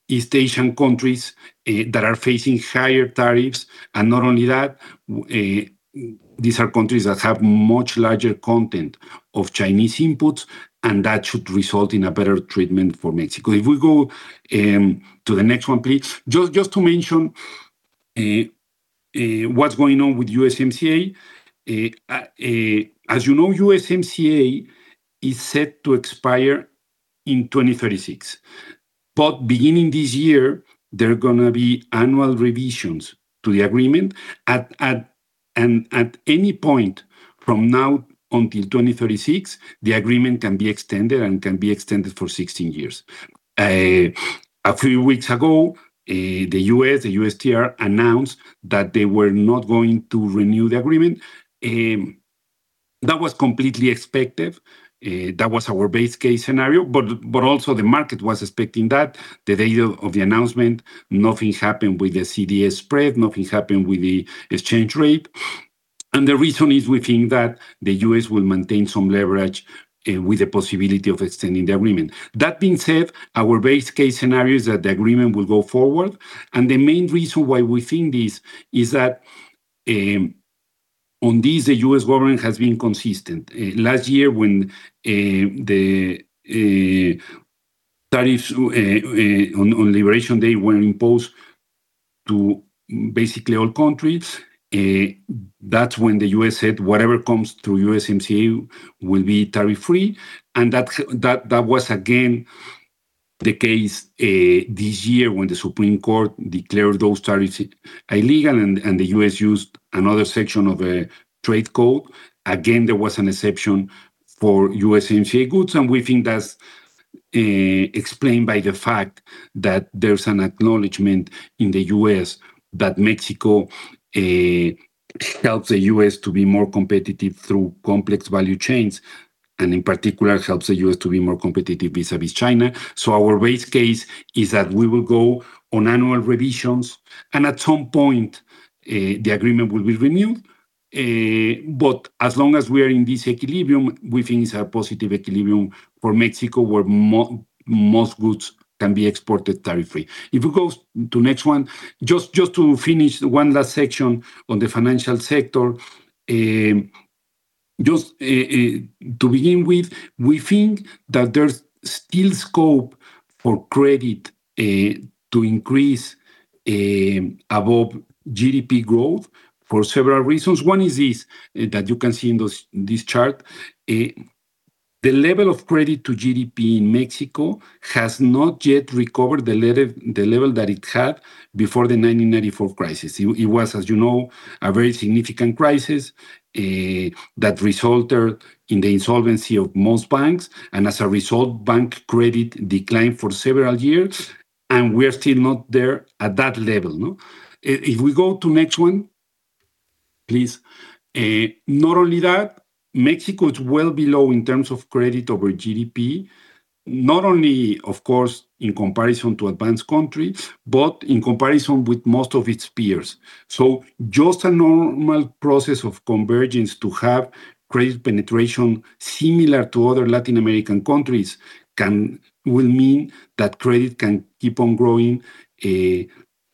East Asian countries that are facing higher tariffs. Not only that, these are countries that have much larger content of Chinese inputs, and that should result in a better treatment for Mexico. If we go to the next one, please. Just to mention what's going on with USMCA. As you know, USMCA is set to expire in 2036. Beginning this year there are going to be annual revisions to the agreement. At any point from now until 2036, the agreement can be extended and can be extended for 16 years. A few weeks ago, the U.S., the USTR, announced that they were not going to renew the agreement. That was completely expected. That was our base case scenario. Also the market was expecting that. The day of the announcement, nothing happened with the CDS spread, nothing happened with the exchange rate. The reason is we think that the U.S. will maintain some leverage with the possibility of extending the agreement. Our base case scenario is that the agreement will go forward. The main reason why we think this is that on this, the U.S. government has been consistent. Last year when the tariffs on Liberation Day were imposed to basically all countries, that's when the U.S. said whatever comes through USMCA will be tariff-free. That was again the case this year when the Supreme Court declared those tariffs illegal. The U.S. used another section of a trade code. Again, there was an exception for USMCA goods. We think that's explained by the fact that there's an acknowledgment in the U.S. that Mexico helps the U.S. to be more competitive through complex value chains, in particular helps the U.S. to be more competitive vis-a-vis China. Our base case is that we will go on annual revisions. At some point, the agreement will be renewed. As long as we are in this equilibrium, we think it's a positive equilibrium for Mexico where most goods can be exported tariff-free. If we go to next one, just to finish one last section on the financial sector. Just to begin with, we think that there's still scope for credit to increase above GDP growth for several reasons. One is this, that you can see in this chart. The level of credit to GDP in Mexico has not yet recovered the level that it had before the 1994 crisis. It was, as you know, a very significant crisis that resulted in the insolvency of most banks. As a result, bank credit declined for several years, and we're still not there at that level, no? If we go to next one, please. Not only that, Mexico is well below in terms of credit over GDP. Not only, of course, in comparison to advanced countries, but in comparison with most of its peers. Just a normal process of convergence to have credit penetration similar to other Latin American countries will mean that credit can keep on growing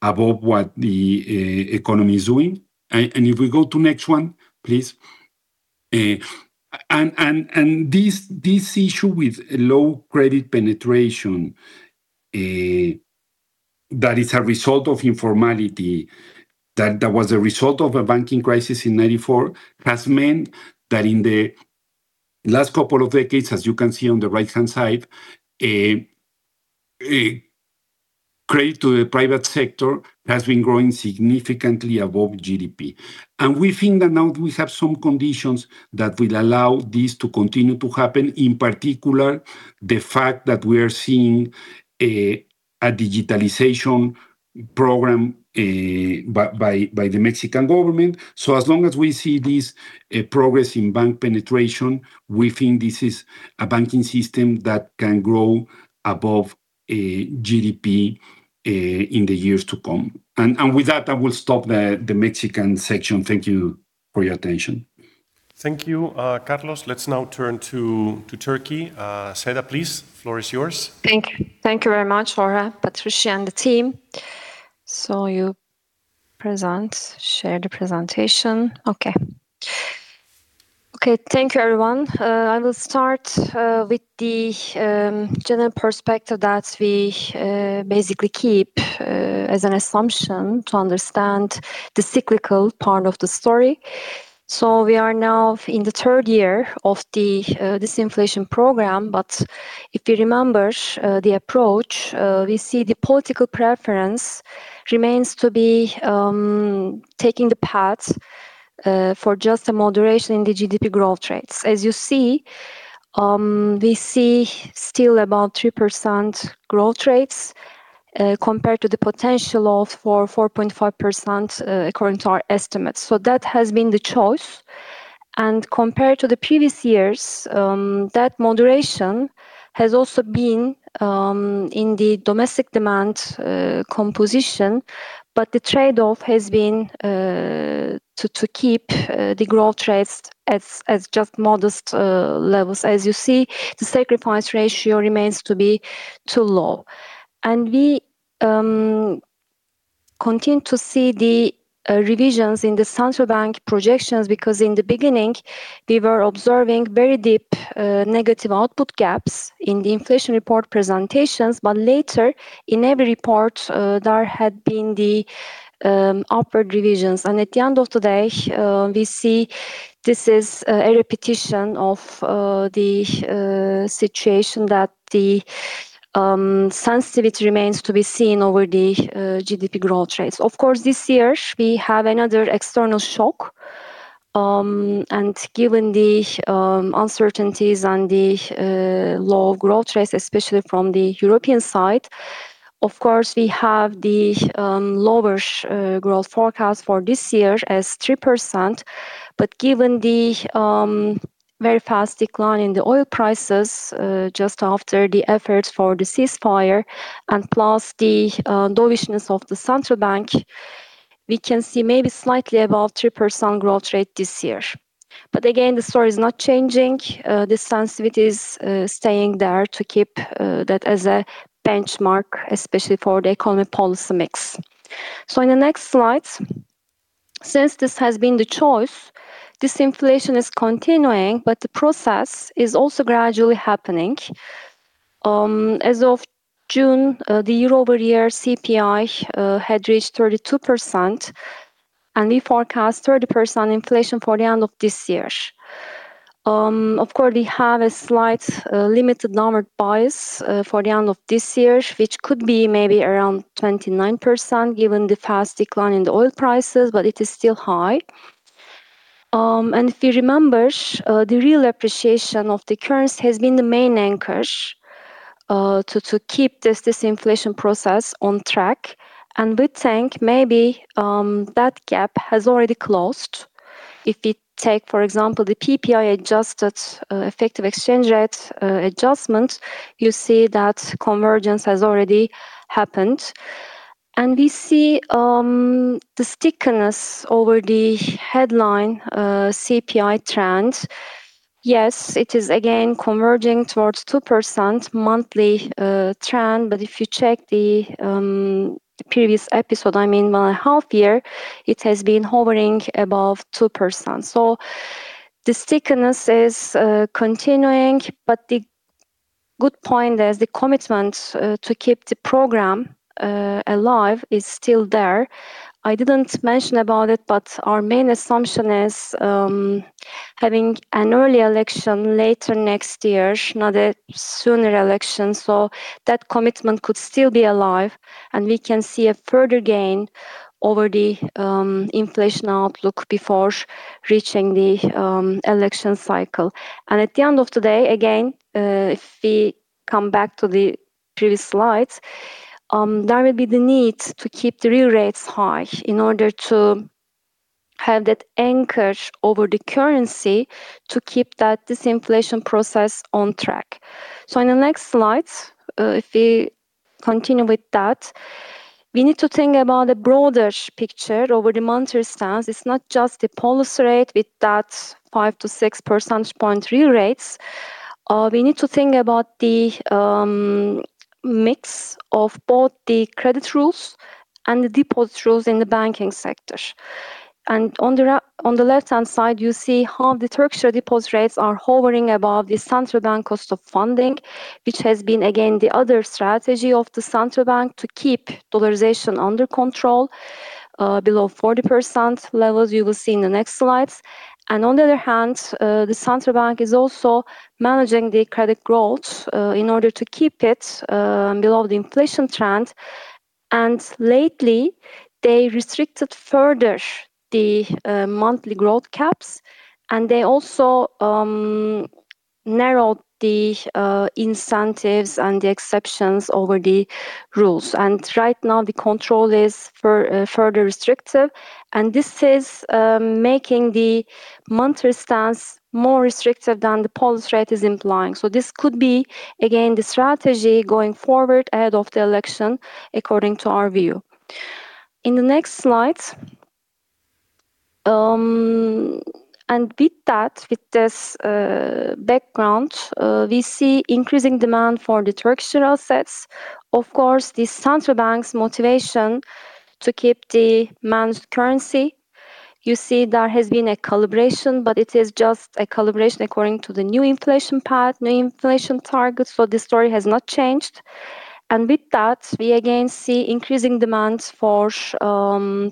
above what the economy is doing. If we go to next one, please. This issue with low credit penetration, that is a result of informality, that was a result of a banking crisis in 1994, has meant that in the last couple of decades, as you can see on the right-hand side, credit to the private sector has been growing significantly above GDP. We think that now we have some conditions that will allow this to continue to happen, in particular, the fact that we're seeing a digitalization program by the Mexican government. As long as we see this progress in bank penetration, we think this is a banking system that can grow above GDP in the years to come. With that, I will stop the Mexican section. Thank you for your attention. Thank you, Carlos. Let's now turn to Türkiye. Seda, please, floor is yours. Thank you. Thank you very much, Laura, Patricia, and the team. Okay, thank you, everyone. I will start with the general perspective that we basically keep as an assumption to understand the cyclical part of the story. We are now in the third year of this inflation program, but if you remember the approach, we see the political preference remains to be taking the path for just a moderation in the GDP growth rates. As you see, we see still about 3% growth rates compared to the potential of 4%, 4.5% according to our estimates. That has been the choice. Compared to the previous years, that moderation has also been in the domestic demand composition, but the trade-off has been to keep the growth rates at just modest levels. As you see, the sacrifice ratio remains to be too low. We continue to see the revisions in the Central Bank projections because in the beginning, we were observing very deep negative output gaps in the inflation report presentations. Later, in every report, there had been the upward revisions. At the end of the day, we see this is a repetition of the situation that the sensitivity remains to be seen over the GDP growth rates. Of course, this year we have another external shock. Given the uncertainties and the low growth rates, especially from the European side, of course, we have the lower growth forecast for this year as 3%. Given the very fast decline in the oil prices just after the efforts for the ceasefire and plus the dovishness of the Central Bank, we can see maybe slightly above 3% growth rate this year. Again, the story is not changing. The sensitivity is staying there to keep that as a benchmark, especially for the economy policy mix. In the next slides, since this has been the choice, disinflation is continuing, but the process is also gradually happening. As of June, the year-over-year CPI had reached 32%, and we forecast 30% inflation for the end of this year. Of course, we have a slight limited downward bias for the end of this year, which could be maybe around 29% given the fast decline in the oil prices, but it is still high. If you remember, the real appreciation of the currency has been the main anchor to keep this disinflation process on track. We think maybe that gap has already closed. If you take, for example, the PPI-adjusted effective exchange rate adjustment, you see that convergence has already happened. We see the stickiness over the headline CPI trend. Yes, it is again converging towards 2% monthly trend. If you check the previous episode, I mean one half year, it has been hovering above 2%. The stickiness is continuing, but the good point is the commitment to keep the program alive is still there. I didn't mention about it, but our main assumption is having an early election later next year, not a sooner election, so that commitment could still be alive and we can see a further gain over the inflation outlook before reaching the election cycle. At the end of the day, again, if we come back to the previous slides, there will be the need to keep the real rates high in order to have that anchor over the currency to keep that disinflation process on track. In the next slides, if we continue with that, we need to think about the broader picture over the monetary stance. It's not just the policy rate with that 5%-6% point real rates. We need to think about the mix of both the credit rules and the deposit rules in the banking sector. On the left-hand side, you see how the Turkish deposit rates are hovering above the Central Bank cost of funding, which has been again, the other strategy of the Central Bank to keep dollarization under control below 40% levels you will see in the next slides. On the other hand, the Central Bank is also managing the credit growth in order to keep it below the inflation trend. Lately, they restricted further the monthly growth caps, and they also narrowed the incentives and the exceptions over the rules. Right now, the control is further restrictive, and this is making the monetary stance more restrictive than the policy rate is implying. This could be, again, the strategy going forward ahead of the election, according to our view. In the next slide. With that, with this background, we see increasing demand for the Turkish lira assets. Of course, the Central Bank's motivation to keep the managed currency. You see there has been a calibration, but it is just a calibration according to the new inflation path, new inflation target. The story has not changed. With that, we again see increasing demand for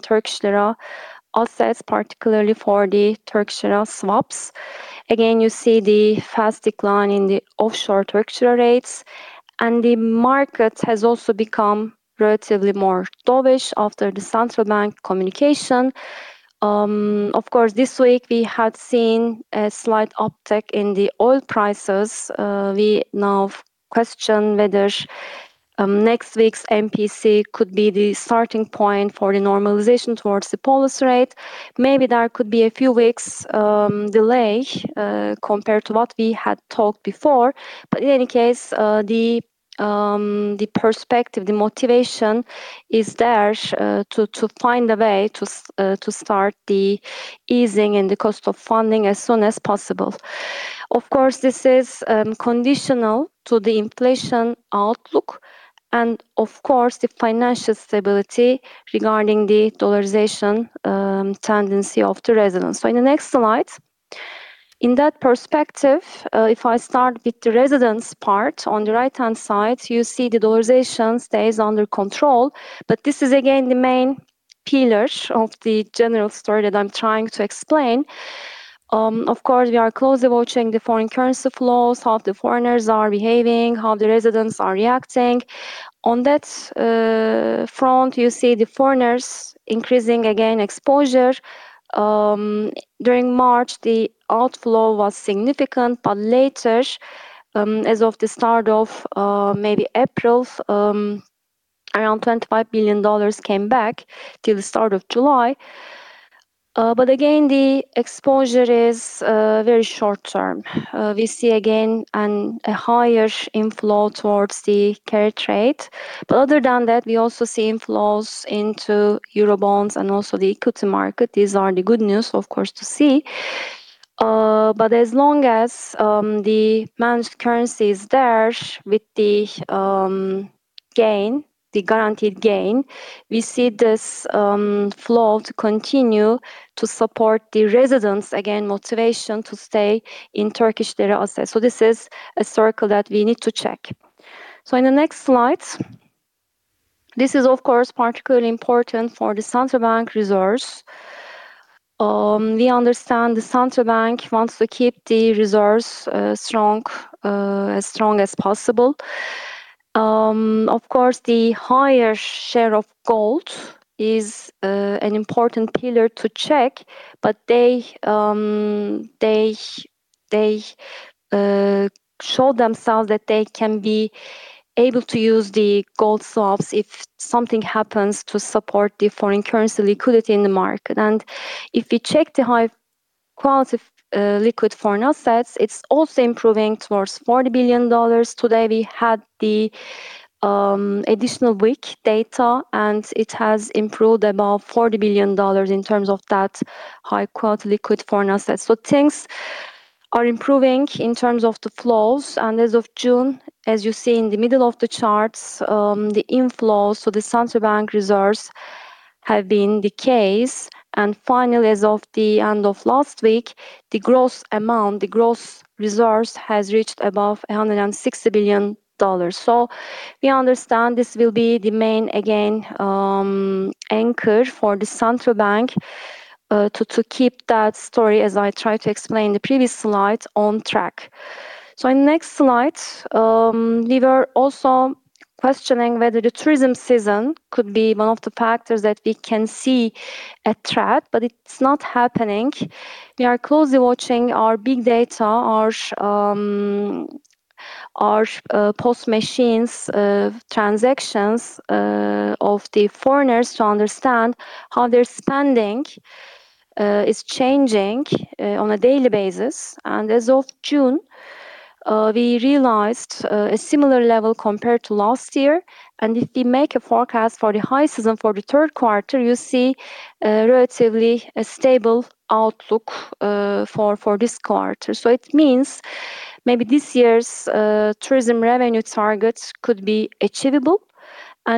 Turkish lira assets, particularly for the Turkish lira swaps. Again, you see the fast decline in the offshore Turkish lira rates, and the market has also become relatively more dovish after the Central Bank communication. Of course, this week we have seen a slight uptick in the oil prices. We now question whether next week's MPC could be the starting point for the normalization towards the policy rate. Maybe there could be a few weeks delay compared to what we had talked before. In any case, the perspective, the motivation is there to find a way to start the easing and the cost of funding as soon as possible. Of course, this is conditional to the inflation outlook and, of course, the financial stability regarding the dollarization tendency of the residents. In the next slide. In that perspective, if I start with the residents part on the right-hand side, you see the dollarization stays under control. This is again the main pillar of the general story that I'm trying to explain. Of course, we are closely watching the foreign currency flows, how the foreigners are behaving, how the residents are reacting. On that front, you see the foreigners increasing again exposure. During March, the outflow was significant, later, as of the start of maybe April, around $25 billion came back till the start of July. Again, the exposure is very short-term. We see again a higher inflow towards the carry trade. Other than that, we also see inflows into Eurobonds and also the equity market. These are the good news, of course, to see. As long as the managed currency is there with the guaranteed gain, we see this flow to continue to support the residents, again, motivation to stay in Turkish lira assets. This is a circle that we need to check. In the next slide. This is of course particularly important for the Central Bank reserves. We understand the Central Bank wants to keep the reserves as strong as possible. Of course, the higher share of gold is an important pillar to check, but they show themselves that they can be able to use the gold swaps if something happens to support the foreign currency liquidity in the market. If we check the high quality liquid foreign assets, it's also improving towards $40 billion. Today we had the additional week data, and it has improved above $40 billion in terms of that high-quality liquid foreign assets. Things are improving in terms of the flows. As of June, as you see in the middle of the charts, the inflows to the Central Bank reserves have been the case. Finally, as of the end of last week, the gross amount, the gross reserves has reached above $160 billion. We understand this will be the main, again, anchor for the Central Bank to keep that story, as I tried to explain in the previous slide, on track. In the next slide, we were also questioning whether the tourism season could be one of the factors that we can see a threat, but it's not happening. We are closely watching our big data, our POS machines transactions of the foreigners to understand how their spending is changing on a daily basis. As of June, we realized a similar level compared to last year. If we make a forecast for the high season for the third quarter, you see relatively a stable outlook for this quarter. It means maybe this year's tourism revenue target could be achievable.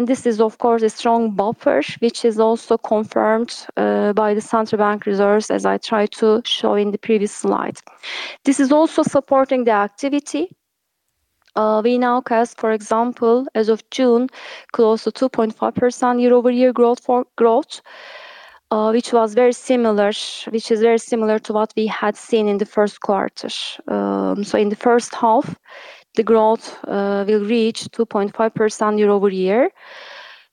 This is, of course, a strong buffer, which is also confirmed by the Central Bank reserves as I tried to show in the previous slide. This is also supporting the activity. We now cast, for example, as of June, close to 2.5% year-over-year growth, which is very similar to what we had seen in the first quarter. In the first half, the growth will reach 2.5% year-over-year.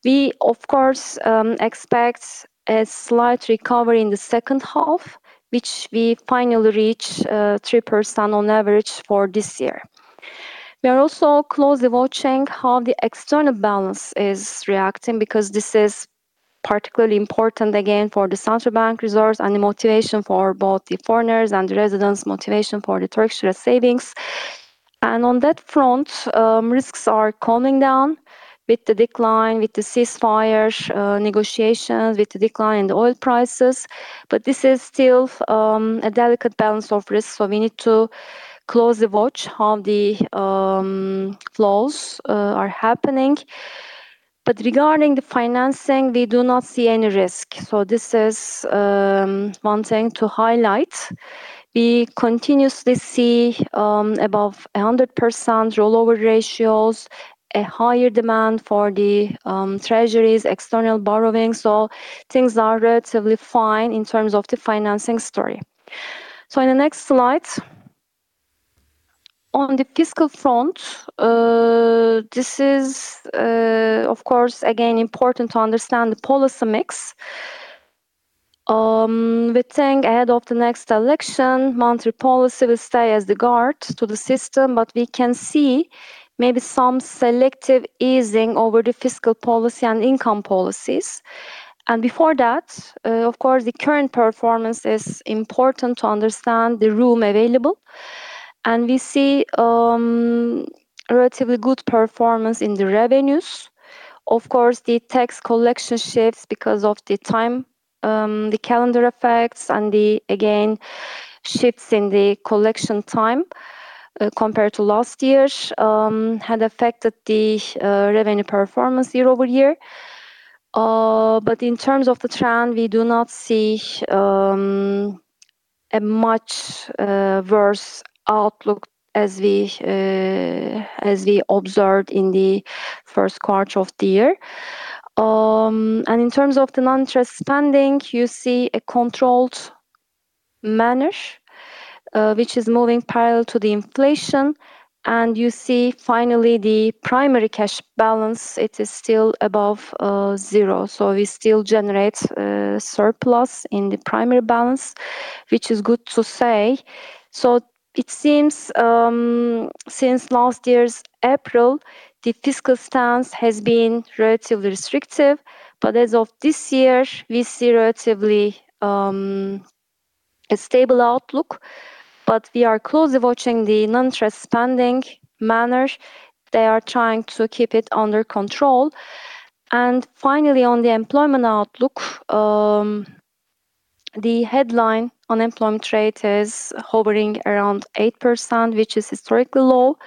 We, of course, expect a slight recovery in the second half, which we finally reach 3% on average for this year. We are also closely watching how the external balance is reacting because this is particularly important, again, for the Central Bank reserves and the motivation for both the foreigners' and the residents' motivation for the Turkish lira savings. On that front, risks are calming down with the decline, with the ceasefire negotiations, with the decline in oil prices. This is still a delicate balance of risks. We need to closely watch how the flows are happening. Regarding the financing, we do not see any risk. This is one thing to highlight. We continuously see above 100% rollover ratios, a higher demand for the treasuries, external borrowings. Things are relatively fine in terms of the financing story. In the next slide. On the fiscal front, this is, of course, again, important to understand the policy mix. We think ahead of the next election, monetary policy will stay as the guard to the system, but we can see maybe some selective easing over the fiscal policy and income policies. Before that, of course, the current performance is important to understand the room available. We see relatively good performance in the revenues. Of course, the tax collection shifts because of the time, the calendar effects, and again, shifts in the collection time compared to last year had affected the revenue performance year-over-year. In terms of the trend, we do not see a much worse outlook as we observed in the first quarter of the year. In terms of the non-trust spending, you see a controlled manner, which is moving parallel to the inflation. You see finally the primary cash balance, it is still above zero. We still generate surplus in the primary balance, which is good to say. It seems since last year's April, the fiscal stance has been relatively restrictive. As of this year, we see relatively a stable outlook, but we are closely watching the non-trust spending manner. They are trying to keep it under control. Finally, on the employment outlook, the headline unemployment rate is hovering around 8%, which is historically low.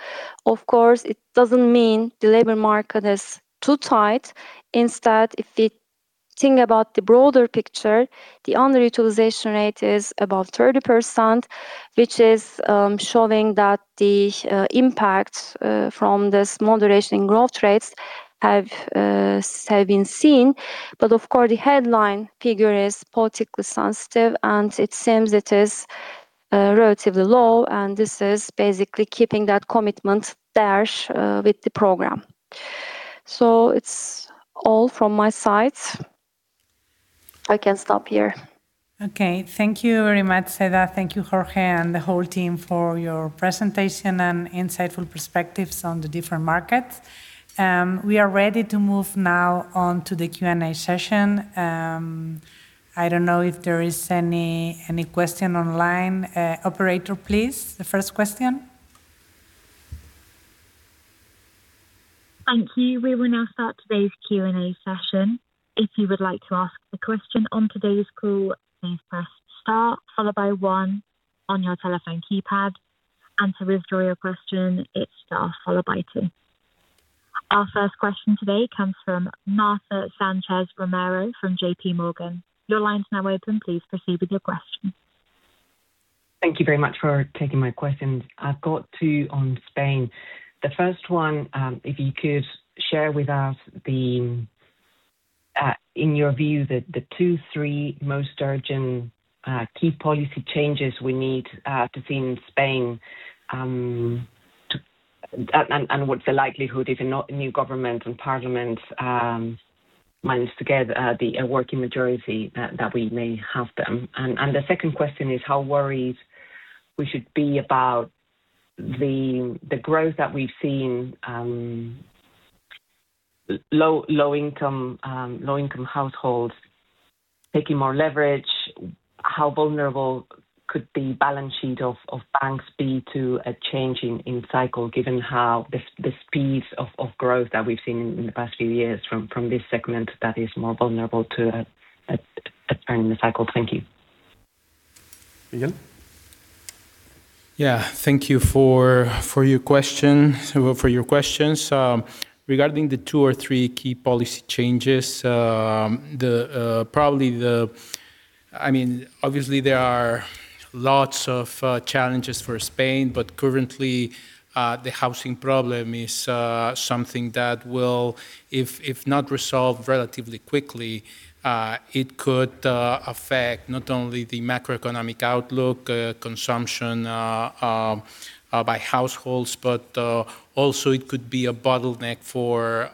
Of course, it doesn't mean the labor market is too tight. Instead, if we think about the broader picture, the underutilization rate is above 30%, which is showing that the impact from the moderation in growth rates have been seen. Of course, the headline figure is politically sensitive, and it seems it is relatively low, and this is basically keeping that commitment there with the program. It's all from my side. I can stop here. Okay. Thank you very much, Seda. Thank you, Jorge, and the whole team for your presentation and insightful perspectives on the different markets. We are ready to move now on to the Q and A session. I don't know if there is any question online. Operator, please, the first question. Thank you. We will now start today's Q and A session. If you would like to ask a question on today's call, please press star followed by one on your telephone keypad, and to withdraw your question, it's star followed by two. Our first question today comes from Marta Sanchez Romero from JPMorgan. Your line's now open. Please proceed with your question. Thank you very much for taking my questions. I've got two on Spain. The first one, if you could share with us in your view the two, three most urgent key policy changes we need to see in Spain, what the likelihood, if a new government and parliament manage to get a working majority, that we may have them. The second question is how worried we should be about the growth that we've seen low-income households taking more leverage. How vulnerable could the balance sheet of banks be to a change in cycle, given how the speed of growth that we've seen in the past few years from this segment that is more vulnerable to a turn in the cycle. Thank you. Miguel? Thank you for your questions. Regarding the two or three key policy changes, obviously there are lots of challenges for Spain, currently, the housing problem is something that will, if not resolved relatively quickly, it could affect not only the macroeconomic outlook, consumption by households, but also it could be a bottleneck for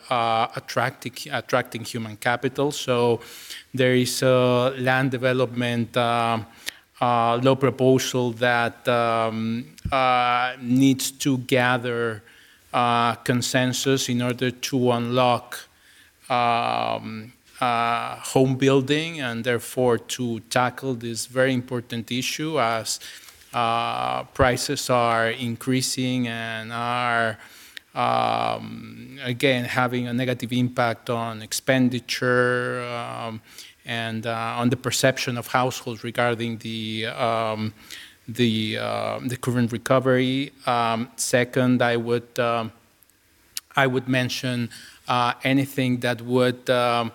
attracting human capital. There is a land development law proposal that needs to gather consensus in order to unlock home building and therefore to tackle this very important issue as prices are increasing and are, again, having a negative impact on expenditure and on the perception of households regarding the current recovery. Second, I would mention anything that would try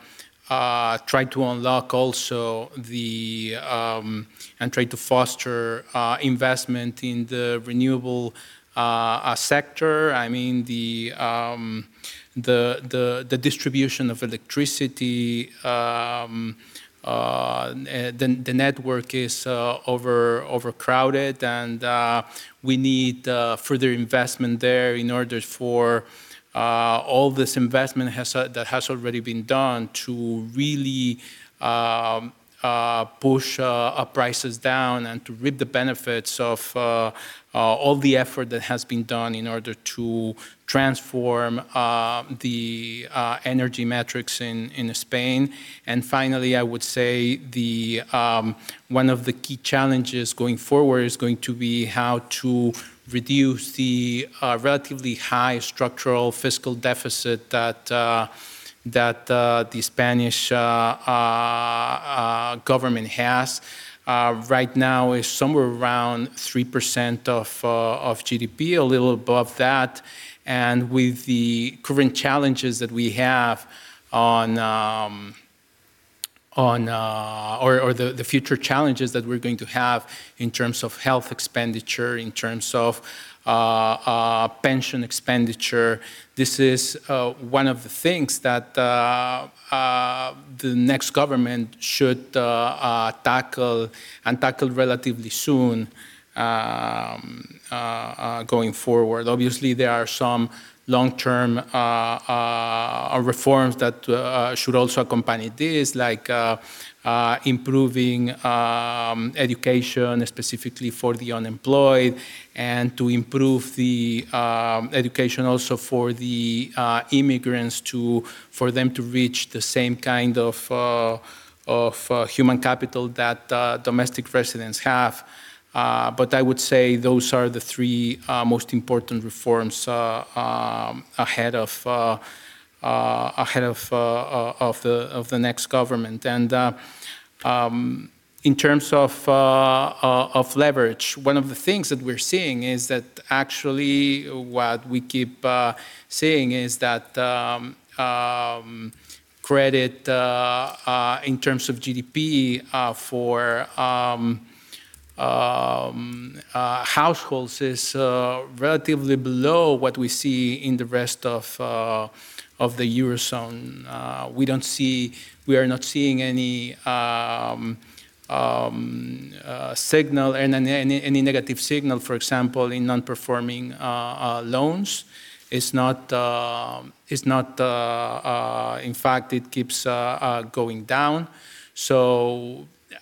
to unlock also and try to foster investment in the renewable sector. The distribution of electricity, the network is overcrowded, we need further investment there in order for all this investment that has already been done to really push prices down and to reap the benefits of all the effort that has been done in order to transform the energy metrics in Spain. Finally, I would say one of the key challenges going forward is going to be how to reduce the relatively high structural fiscal deficit that the Spanish government has. Right now, it's somewhere around 3% of GDP, a little above that. With the current challenges that we have or the future challenges that we're going to have in terms of health expenditure, in terms of pension expenditure, this is one of the things that the next government should tackle and tackle relatively soon going forward. Obviously, there are some long-term reforms that should also accompany this, like improving education specifically for the unemployed and to improve the education also for the immigrants for them to reach the same kind of human capital that domestic residents have. I would say those are the three most important reforms ahead of the next government. In terms of leverage, one of the things that we're seeing is that actually what we keep seeing is that credit in terms of GDP for households is relatively below what we see in the rest of the Eurozone. We are not seeing any negative signal, for example, in non-performing loans. In fact, it keeps going down.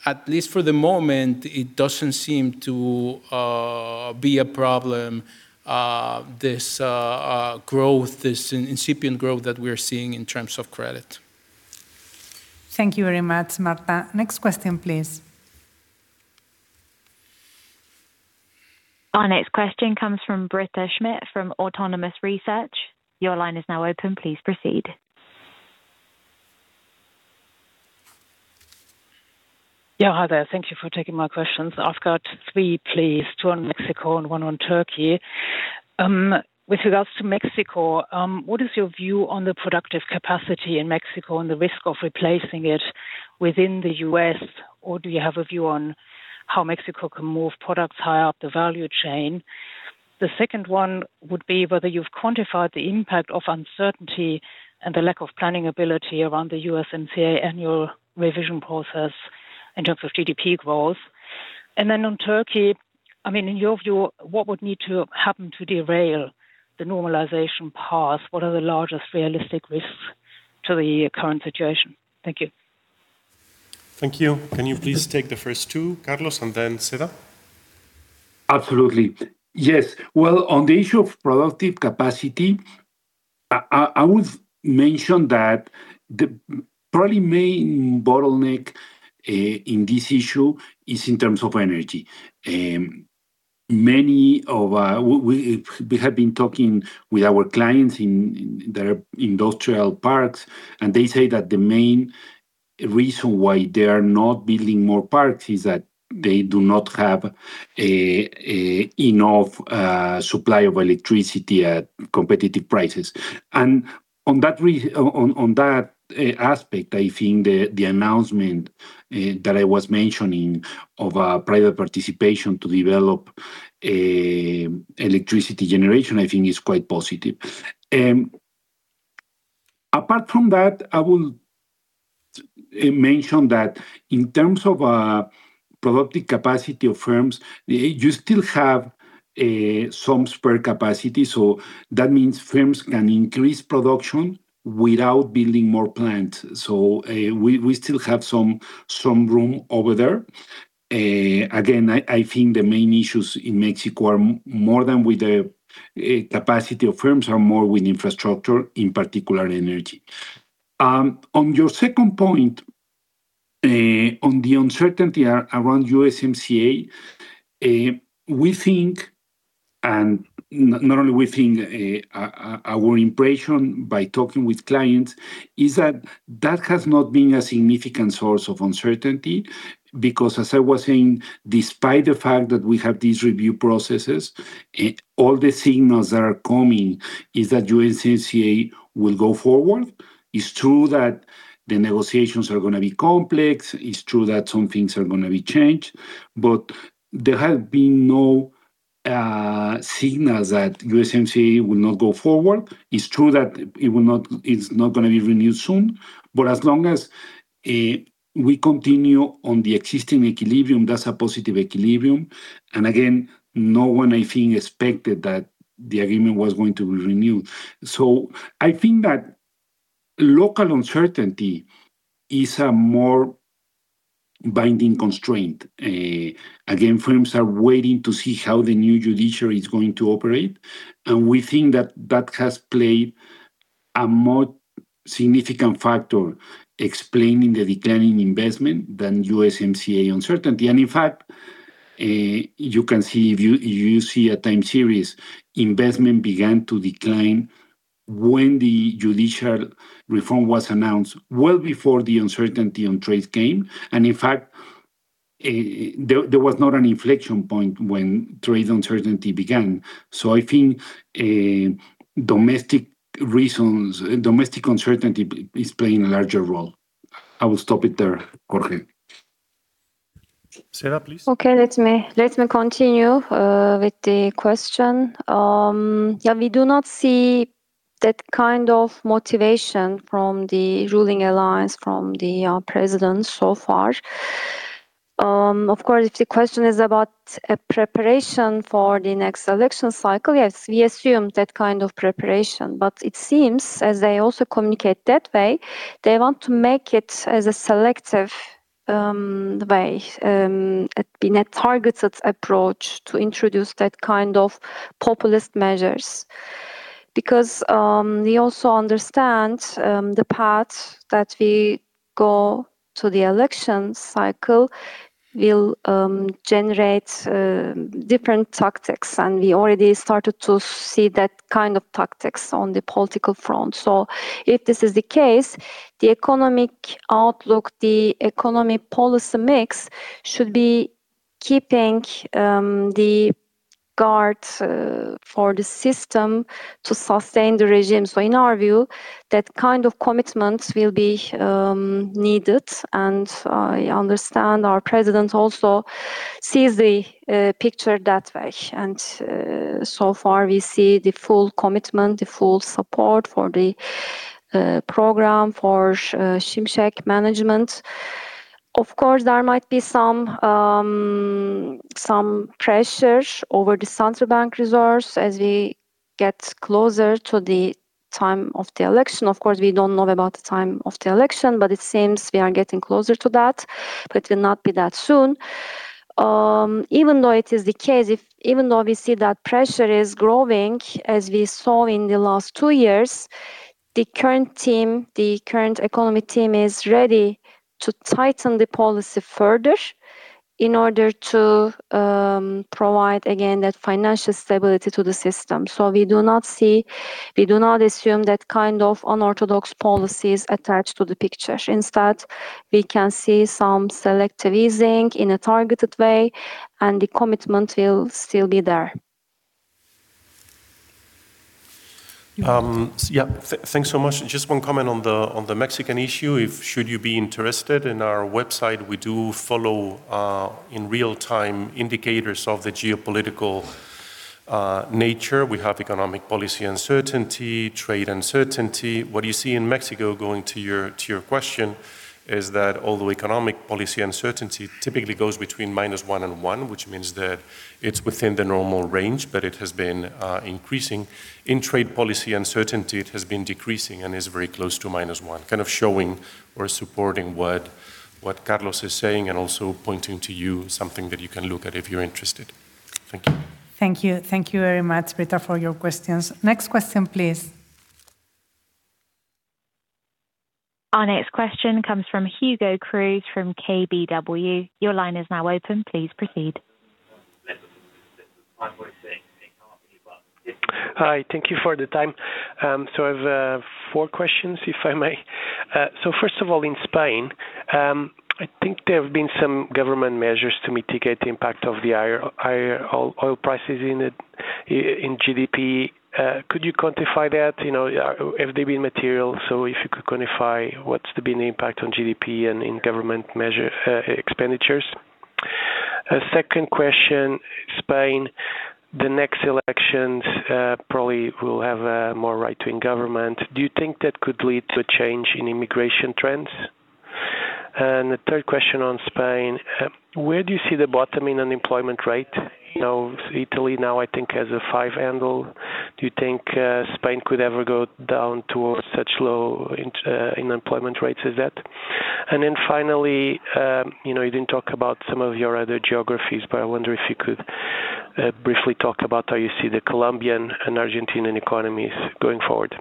At least for the moment, it doesn't seem to be a problem, this incipient growth that we're seeing in terms of credit. Thank you very much, Marta. Next question, please. Our next question comes from Britta Schmidt from Autonomous Research. Your line is now open. Please proceed. Hi there. Thank you for taking my questions. I've got three, please, two on Mexico and one on Türkiye. With regards to Mexico, what is your view on the productive capacity in Mexico and the risk of replacing it within the U.S., or do you have a view on how Mexico can move products higher up the value chain? The second one would be whether you've quantified the impact of uncertainty and the lack of planning ability around the USMCA annual revision process in terms of GDP growth. Then on Türkiye, in your view, what would need to happen to derail the normalization path? What are the largest realistic risks to the current situation? Thank you. Thank you. Can you please take the first two, Carlos, and then Seda? Absolutely. Yes. Well, on the issue of productive capacity, I would mention that the probably main bottleneck in this issue is in terms of energy. We have been talking with our clients in their industrial parks, and they say that the main reason why they are not building more parks is that they do not have enough supply of electricity at competitive prices. On that aspect, I think the announcement that I was mentioning of private participation to develop electricity generation, I think is quite positive. Apart from that, I will mention that in terms of productive capacity of firms, you still have some spare capacity. That means firms can increase production without building more plants. We still have some room over there. Again, I think the main issues in Mexico, more than with the capacity of firms, are more with infrastructure, in particular energy. On your second point, on the uncertainty around USMCA, not only we think our impression by talking with clients is that that has not been a significant source of uncertainty because as I was saying, despite the fact that we have these review processes, all the signals that are coming is that USMCA will go forward. It's true that the negotiations are going to be complex. It's true that some things are going to be changed, there have been no signals that USMCA will not go forward. It's true that it's not going to be renewed soon, as long as we continue on the existing equilibrium, that's a positive equilibrium. Again, no one, I think, expected that the agreement was going to be renewed. I think that local uncertainty is a more binding constraint. Again, firms are waiting to see how the new judiciary is going to operate. We think that that has played a more significant factor explaining the decline in investment than USMCA uncertainty. In fact, you can see if you see a time series, investment began to decline when the judicial reform was announced well before the uncertainty on trades came. In fact, there was not an inflection point when trade uncertainty began. I think domestic reasons, domestic uncertainty is playing a larger role. I will stop it there, Jorge. Seda, please. Okay. Let me continue with the question. We do not see that kind of motivation from the ruling alliance from the president so far. Of course, if the question is about a preparation for the next election cycle, yes, we assume that kind of preparation. It seems as they also communicate that way, they want to make it as a selective way, a targeted approach to introduce that kind of populist measures. We also understand the path that we go to the election cycle will generate different tactics, and we already started to see that kind of tactics on the political front. If this is the case, the economic outlook, the economic policy mix should be keeping the guard for the system to sustain the regime. In our view, that kind of commitment will be needed, and I understand our president also sees the picture that way. So far, we see the full commitment, the full support for the program for Şimşek management. Of course, there might be some pressure over the Central Bank reserves as we get closer to the time of the election. Of course, we don't know about the time of the election, but it seems we are getting closer to that, but it will not be that soon. Even though it is the case, even though we see that pressure is growing as we saw in the last two years, the current team, the current economy team is ready to tighten the policy further in order to provide, again, that financial stability to the system. We do not assume that kind of unorthodox policies attached to the picture. Instead, we can see some selective easing in a targeted way, and the commitment will still be there. Yeah. Thanks so much. Just one comment on the Mexican issue. If should you be interested in our website, we do follow in real time indicators of the geopolitical nature. We have economic policy uncertainty, trade uncertainty. What you see in Mexico, going to your question, is that although economic policy uncertainty typically goes between minus one and one, which means that it's within the normal range, but it has been increasing. In trade policy uncertainty, it has been decreasing and is very close to minus one. Kind of showing or supporting what Carlos is saying and also pointing to you something that you can look at if you're interested. Thank you. Thank you. Thank you very much, Britta, for your questions. Next question, please. Our next question comes from Hugo Cruz from KBW. Your line is now open. Please proceed. Hi, thank you for the time. I have four questions if I may. First of all, in Spain, I think there have been some government measures to mitigate the impact of the higher oil prices in GDP. Could you quantify that? Have they been material? If you could quantify what's been the impact on GDP and in government measure expenditures. Second question, Spain, the next elections probably will have a more right-wing government. Do you think that could lead to a change in immigration trends? The third question on Spain, where do you see the bottom in unemployment rate? Italy now I think has a five handle. Do you think Spain could ever go down towards such low unemployment rates as that? You didn't talk about some of your other geographies, but I wonder if you could briefly talk about how you see the Colombian and Argentinian economies going forward.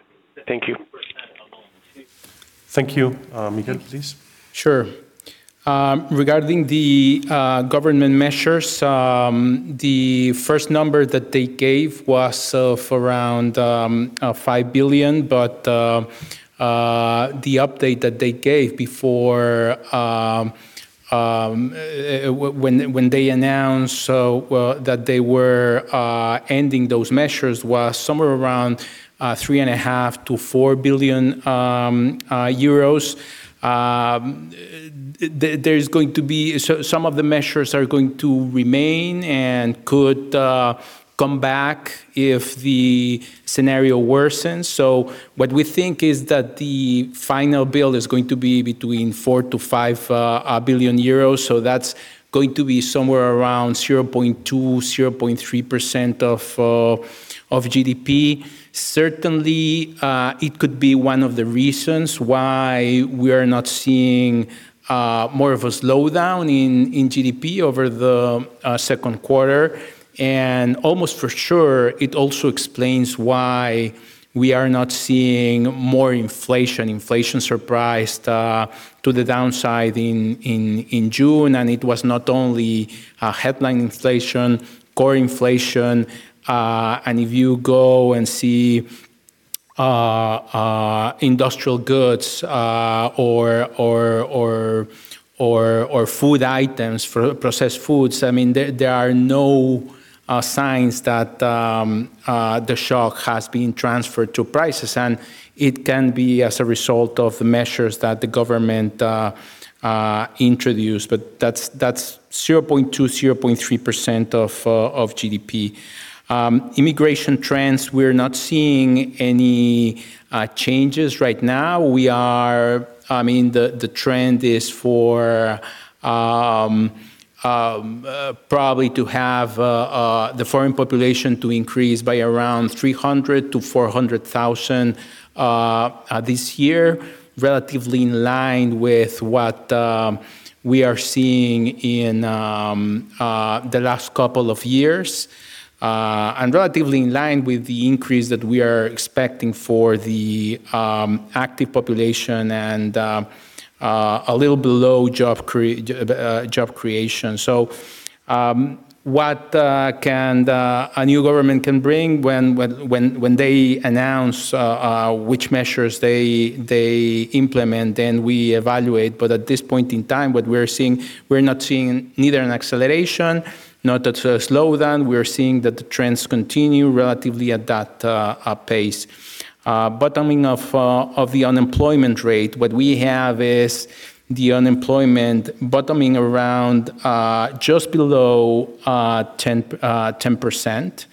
Thank you. Thank you. Miguel, please. Sure. Regarding the government measures, the first number that they gave was of around 5 billion, but the update that they gave when they announced that they were ending those measures was somewhere around 3.5 billion-4 billion euros. Some of the measures are going to remain and could come back if the scenario worsens. What we think is that the final bill is going to be between 4 billion-5 billion euros. That's going to be somewhere around 0.2%-0.3% of GDP. Certainly, it could be one of the reasons why we are not seeing more of a slowdown in GDP over the second quarter. Almost for sure, it also explains why we are not seeing more inflation. Inflation surprised to the downside in June. It was not only headline inflation, core inflation, and if you go and see industrial goods or food items, processed foods, there are no signs that the shock has been transferred to prices, and it can be as a result of the measures that the government introduced. That's 0.2%-0.3% of GDP. Immigration trends, we're not seeing any changes right now. The trend is for probably to have the foreign population to increase by around 300,000-400,000 this year, relatively in line with what we are seeing in the last couple of years, and relatively in line with the increase that we are expecting for the active population and a little below job creation. What a new government can bring when they announce which measures they implement, then we evaluate. At this point in time, what we are seeing, we are not seeing neither an acceleration nor the slowdown. We are seeing that the trends continue relatively at that pace. Bottoming of the unemployment rate. What we have is the unemployment bottoming around just below 10%.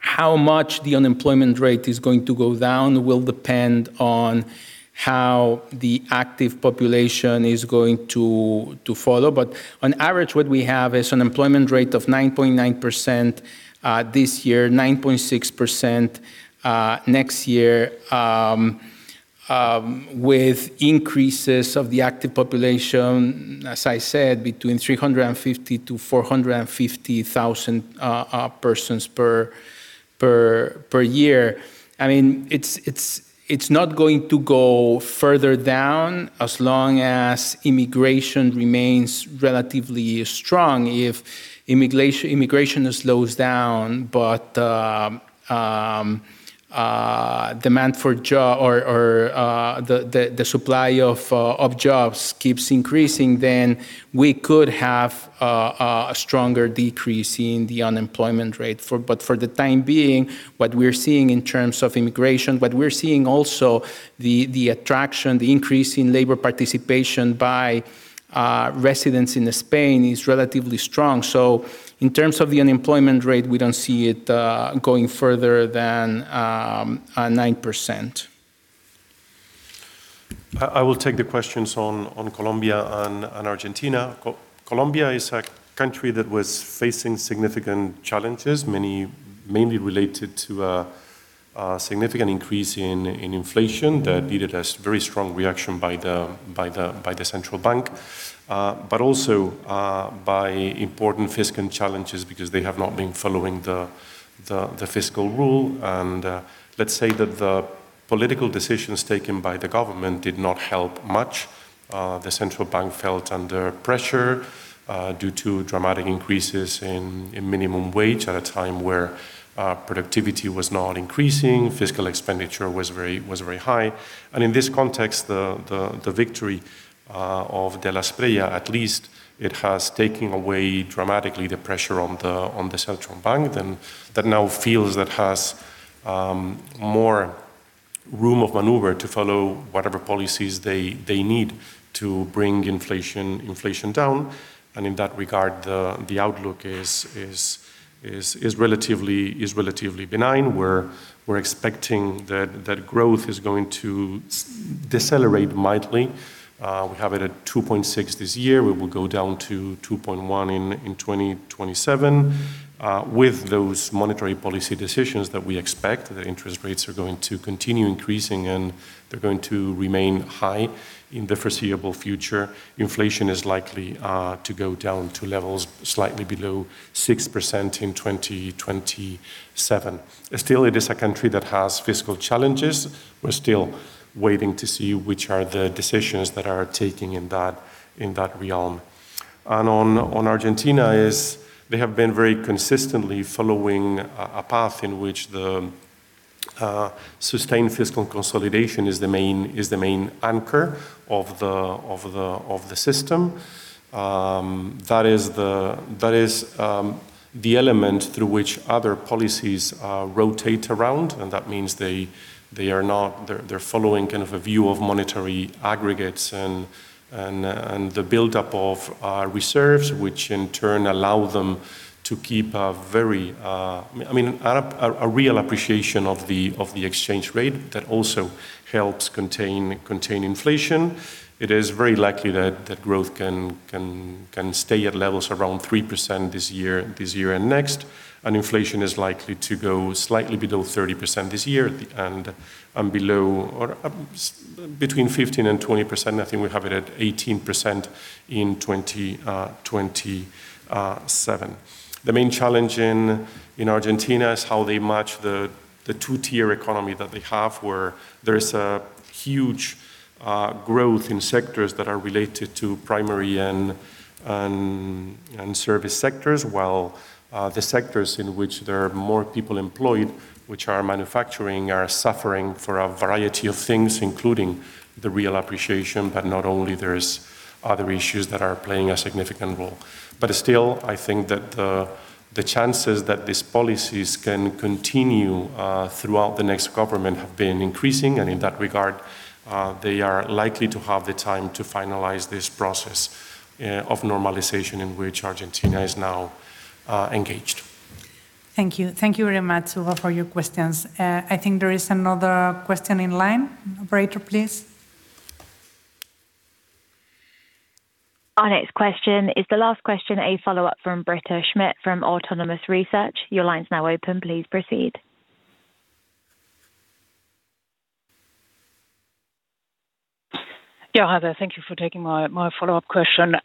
How much the unemployment rate is going to go down will depend on how the active population is going to follow. On average, what we have is unemployment rate of 9.9% this year, 9.6% next year, with increases of the active population, as I said, between 350,000-450,000 persons per year. It is not going to go further down as long as immigration remains relatively strong. If immigration slows down, but the supply of jobs keeps increasing, then we could have a stronger decrease in the unemployment rate. For the time being, what we are seeing in terms of immigration, what we are seeing also, the attraction, the increase in labor participation by residents in Spain is relatively strong. In terms of the unemployment rate, we do not see it going further than 9%. I will take the questions on Colombia and Argentina. Colombia is a country that was facing significant challenges, mainly related to a significant increase in inflation that needed a very strong reaction by the Central Bank, but also by important fiscal challenges because they have not been following the fiscal rule. Let us say that the political decisions taken by the government did not help much. The Central Bank felt under pressure due to dramatic increases in minimum wage at a time where productivity was not increasing, fiscal expenditure was very high. In this context, the victory of de la Espriella, at least it has taken away dramatically the pressure on the Central Bank, that now feels that has more room of maneuver to follow whatever policies they need to bring inflation down. In that regard, the outlook is relatively benign. We are expecting that growth is going to decelerate mildly. We have it at 2.6 this year. We will go down to 2.1 in 2027. With those monetary policy decisions that we expect, the interest rates are going to continue increasing, and they are going to remain high in the foreseeable future. Inflation is likely to go down to levels slightly below 6% in 2027. Still, it is a country that has fiscal challenges. We are still waiting to see which are the decisions that are taking in that realm. On Argentina, they have been very consistently following a path in which the sustained fiscal consolidation is the main anchor of the system. That is the element through which other policies rotate around. That means they're following a view of monetary aggregates and the buildup of reserves, which in turn allow them to keep a real appreciation of the exchange rate that also helps contain inflation. It is very likely that growth can stay at levels around 3% this year and next. Inflation is likely to go slightly below 30% this year, and between 15%-20%, I think we have it at 18% in 2027. The main challenge in Argentina is how they match the two-tier economy that they have, where there is a huge growth in sectors that are related to primary and service sectors, while the sectors in which there are more people employed, which are manufacturing, are suffering for a variety of things, including the real appreciation. Not only, there is other issues that are playing a significant role. Still, I think that the chances that these policies can continue throughout the next government have been increasing. In that regard, they are likely to have the time to finalize this process of normalization in which Argentina is now engaged. Thank you. Thank you very much for your questions. I think there is another question in line. Operator, please. Our next question is the last question, a follow-up from Britta Schmidt from Autonomous Research. Your line's now open. Please proceed. Hi there. Thank you for taking my follow-up question.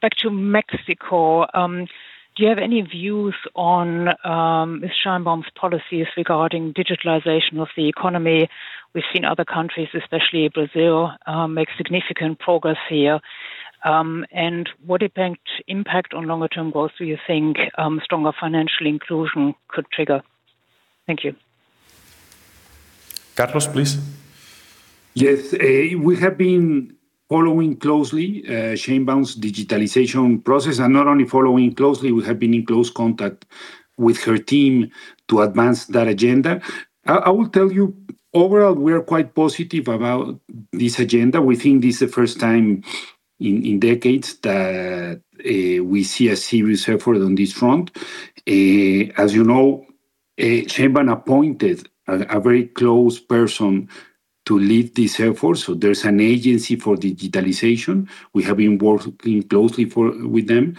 Back to Mexico, do you have any views on Claudia's policies regarding digitalization of the economy? We've seen other countries, especially Brazil, make significant progress here. What impact on longer-term growth do you think stronger financial inclusion could trigger? Thank you. Carlos, please. We have been following closely Claudia's digitalization process, not only following closely, we have been in close contact with her team to advance that agenda. I will tell you, overall, we are quite positive about this agenda. We think this is the first time in decades that we see a serious effort on this front. As you know, Claudia appointed a very close person to lead this effort, so there's an agency for digitalization. We have been working closely with them.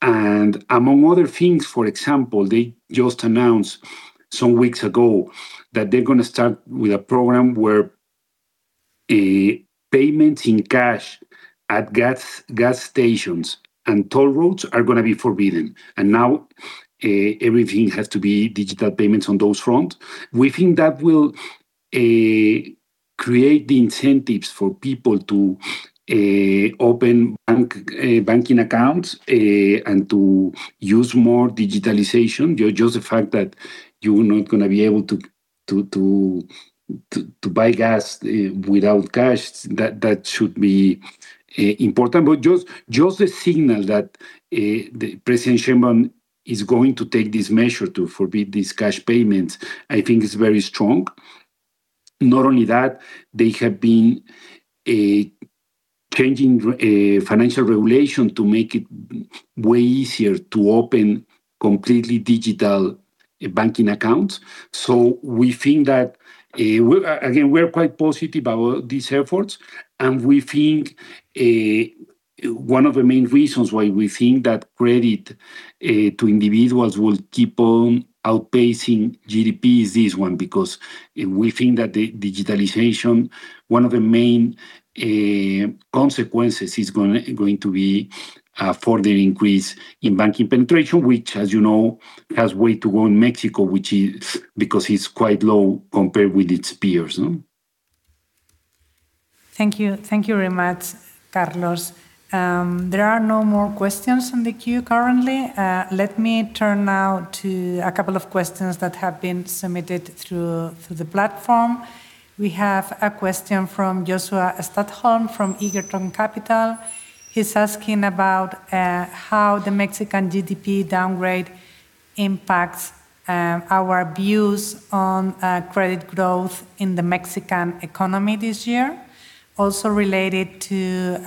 Among other things, for example, they just announced some weeks ago that they're going to start with a program where payment in cash at gas stations and toll roads are going to be forbidden. Now, everything has to be digital payments on those fronts. We think that will create the incentives for people to open banking accounts and to use more digitalization. Just the fact that you're not going to be able to buy gas without cash, that should be important. Just the signal that President Claudia is going to take this measure to forbid these cash payments, I think is very strong. Not only that, they have been changing financial regulation to make it way easier to open completely digital banking accounts. We think that, again, we're quite positive about these efforts, one of the main reasons why we think that credit to individuals will keep on outpacing GDP is this one, because we think that the digitalization, one of the main consequences is going to be a further increase in banking penetration, which, as you know, has way to go in Mexico, because it's quite low compared with its peers. Thank you. Thank you very much, Carlos. There are no more questions in the queue currently. Let me turn now to a couple of questions that have been submitted through the platform. We have a question from Joshua Studholme from Egerton Capital. He is asking about how the Mexican GDP downgrade impacts our views on credit growth in the Mexican economy this year. Also related to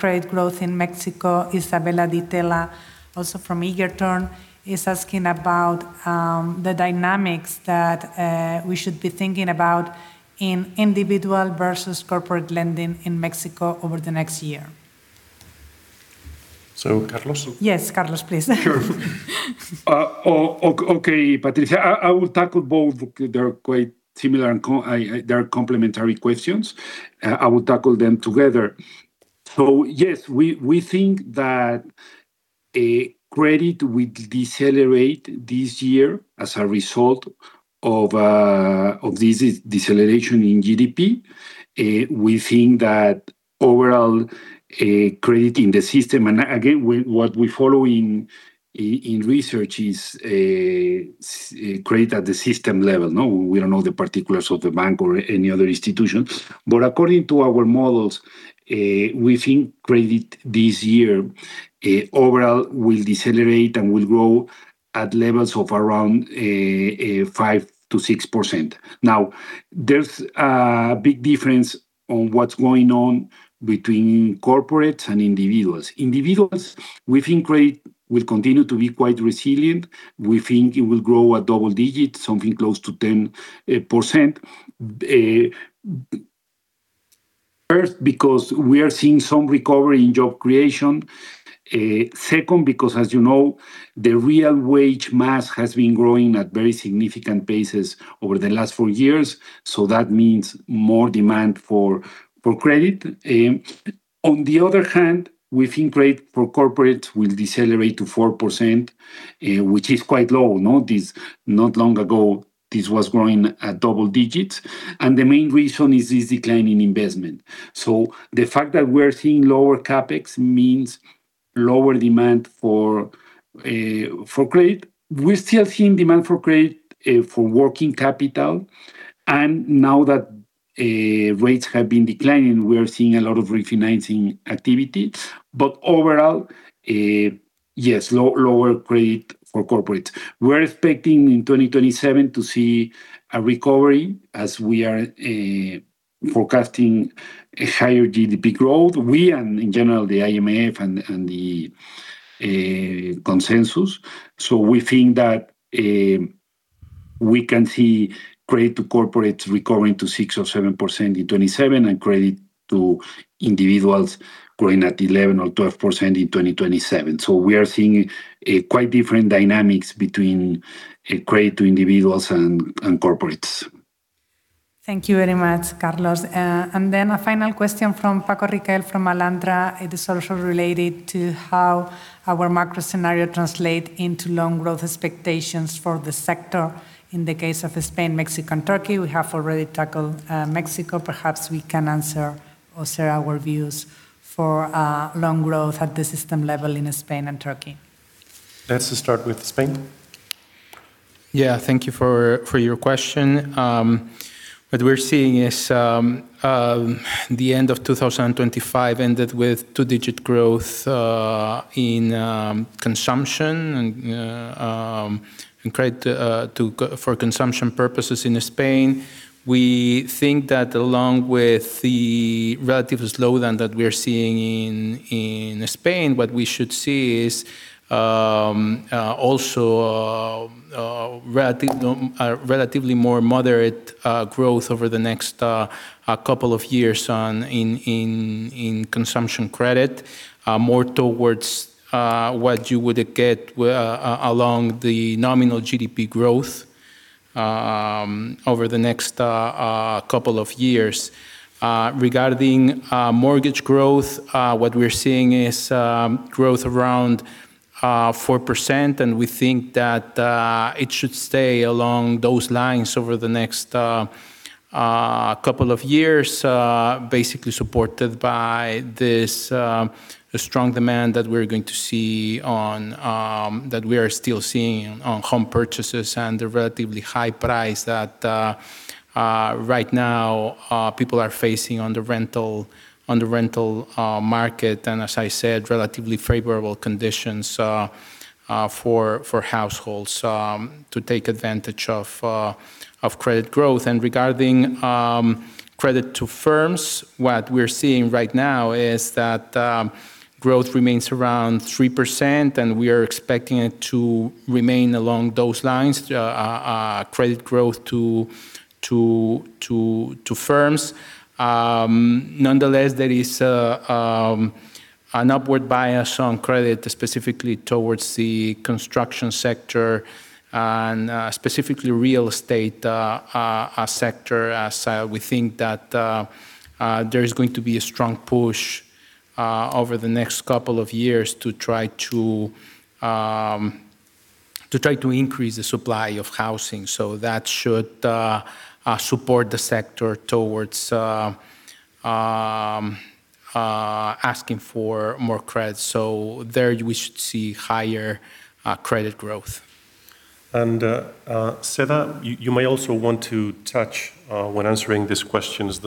trade growth in Mexico, Isabel Di Tella, also from Egerton, is asking about the dynamics that we should be thinking about in individual versus corporate lending in Mexico over the next year. Carlos? Yes, Carlos, please. Sure. Okay, Patricia. I will tackle both. They are quite similar, and they are complementary questions. I will tackle them together. Yes, we think that credit will decelerate this year as a result of this deceleration in GDP. We think that overall, credit in the system, and again, what we follow in research is credit at the system level. We don't know the particulars of the bank or any other institution. According to our models, we think credit this year overall will decelerate and will grow at levels of around 5%-6%. Now, there's a big difference on what's going on between corporates and individuals. Individuals, we think credit will continue to be quite resilient. We think it will grow at double digits, something close to 10%. First, because we are seeing some recovery in job creation. Second, because as you know, the real wage mass has been growing at very significant paces over the last four years, so that means more demand for credit. On the other hand, we think credit for corporate will decelerate to 4%, which is quite low. Not long ago, this was growing at double digits, and the main reason is this decline in investment. The fact that we're seeing lower CapEx means lower demand for credit. We're still seeing demand for credit for working capital, and now that rates have been declining, we are seeing a lot of refinancing activity. But overall, yes, lower credit for corporates. We're expecting in 2027 to see a recovery as we are forecasting a higher GDP growth. We, and in general, the IMF, and the consensus. We think that we can see credit to corporates recovering to 6% or 7% in 2027 and credit to individuals growing at 11% or 12% in 2027. We are seeing quite different dynamics between credit to individuals and corporates. Thank you very much, Carlos. A final question from Francisco Riquel from Alantra. It is also related to how our macro scenario translates into loan growth expectations for the sector in the case of Spain, Mexico, and Türkiye. We have already tackled Mexico. Perhaps we can answer or share our views for loan growth at the system level in Spain and Türkiye. Let's start with Spain. Yeah. Thank you for your question. What we are seeing is the end of 2025 ended with two digit growth in consumption and credit for consumption purposes in Spain. We think that along with the relative slowdown that we are seeing in Spain, what we should see is also a relatively more moderate growth over the next couple of years in consumption credit. More towards what you would get along the nominal GDP growth over the next couple of years. Regarding mortgage growth, what we are seeing is growth around 4%, and we think that it should stay along those lines over the next couple of years. Basically supported by this strong demand that we are still seeing on home purchases and the relatively high price that right now people are facing on the rental market, and as I said, relatively favorable conditions for households to take advantage of credit growth. Regarding credit to firms, what we are seeing right now is that growth remains around 3%, and we are expecting it to remain along those lines, credit growth to firms. Nonetheless, there is an upward bias on credit, specifically towards the construction sector and specifically real estate sector, as we think that there is going to be a strong push over the next couple of years to try to increase the supply of housing. That should support the sector towards asking for more credit. There we should see higher credit growth. Seda, you may also want to touch, when answering these questions,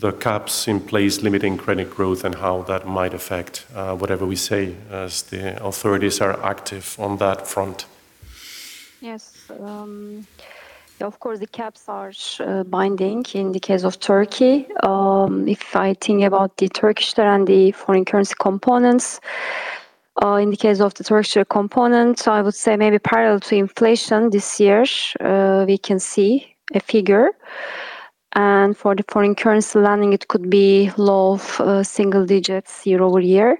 the caps in place limiting credit growth and how that might affect whatever we say as the authorities are active on that front. Yes. Of course, the caps are binding in the case of Türkiye. If I think about the Turkish lira and the foreign currency components, in the case of the Turkish lira component, I would say maybe parallel to inflation this year, we can see a figure. For the foreign currency lending, it could be low single digits year-over-year.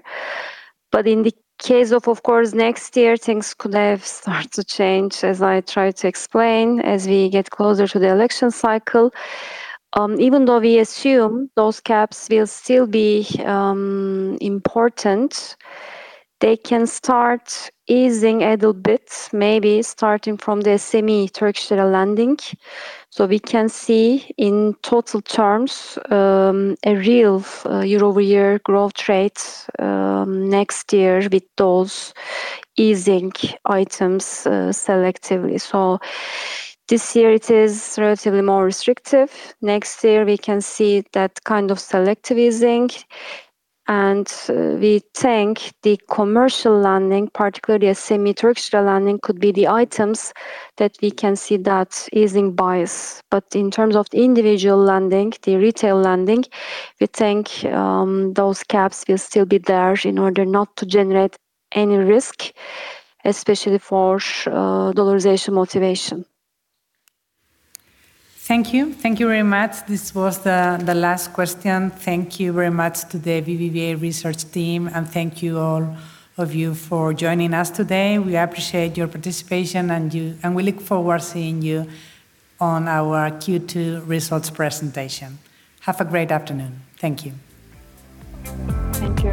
In the case of course, next year, things could have started to change as I tried to explain, as we get closer to the election cycle. Even though we assume those caps will still be important, they can start easing a little bit, maybe starting from the semi Turkish lira lending. We can see in total terms, a real year-over-year growth rate next year with those easing items selectively. This year it is relatively more restrictive. Next year, we can see that kind of selective easing. We think the commercial lending, particularly SME Turkish lira lending, could be the items that we can see that easing bias. In terms of individual lending, the retail lending, we think those caps will still be there in order not to generate any risk, especially for dollarization motivation. Thank you. Thank you very much. This was the last question. Thank you very much to the BBVA Research team. Thank you all of you for joining us today. We appreciate your participation. We look forward to seeing you at our Q2 results presentation. Have a great afternoon. Thank you. Thank you.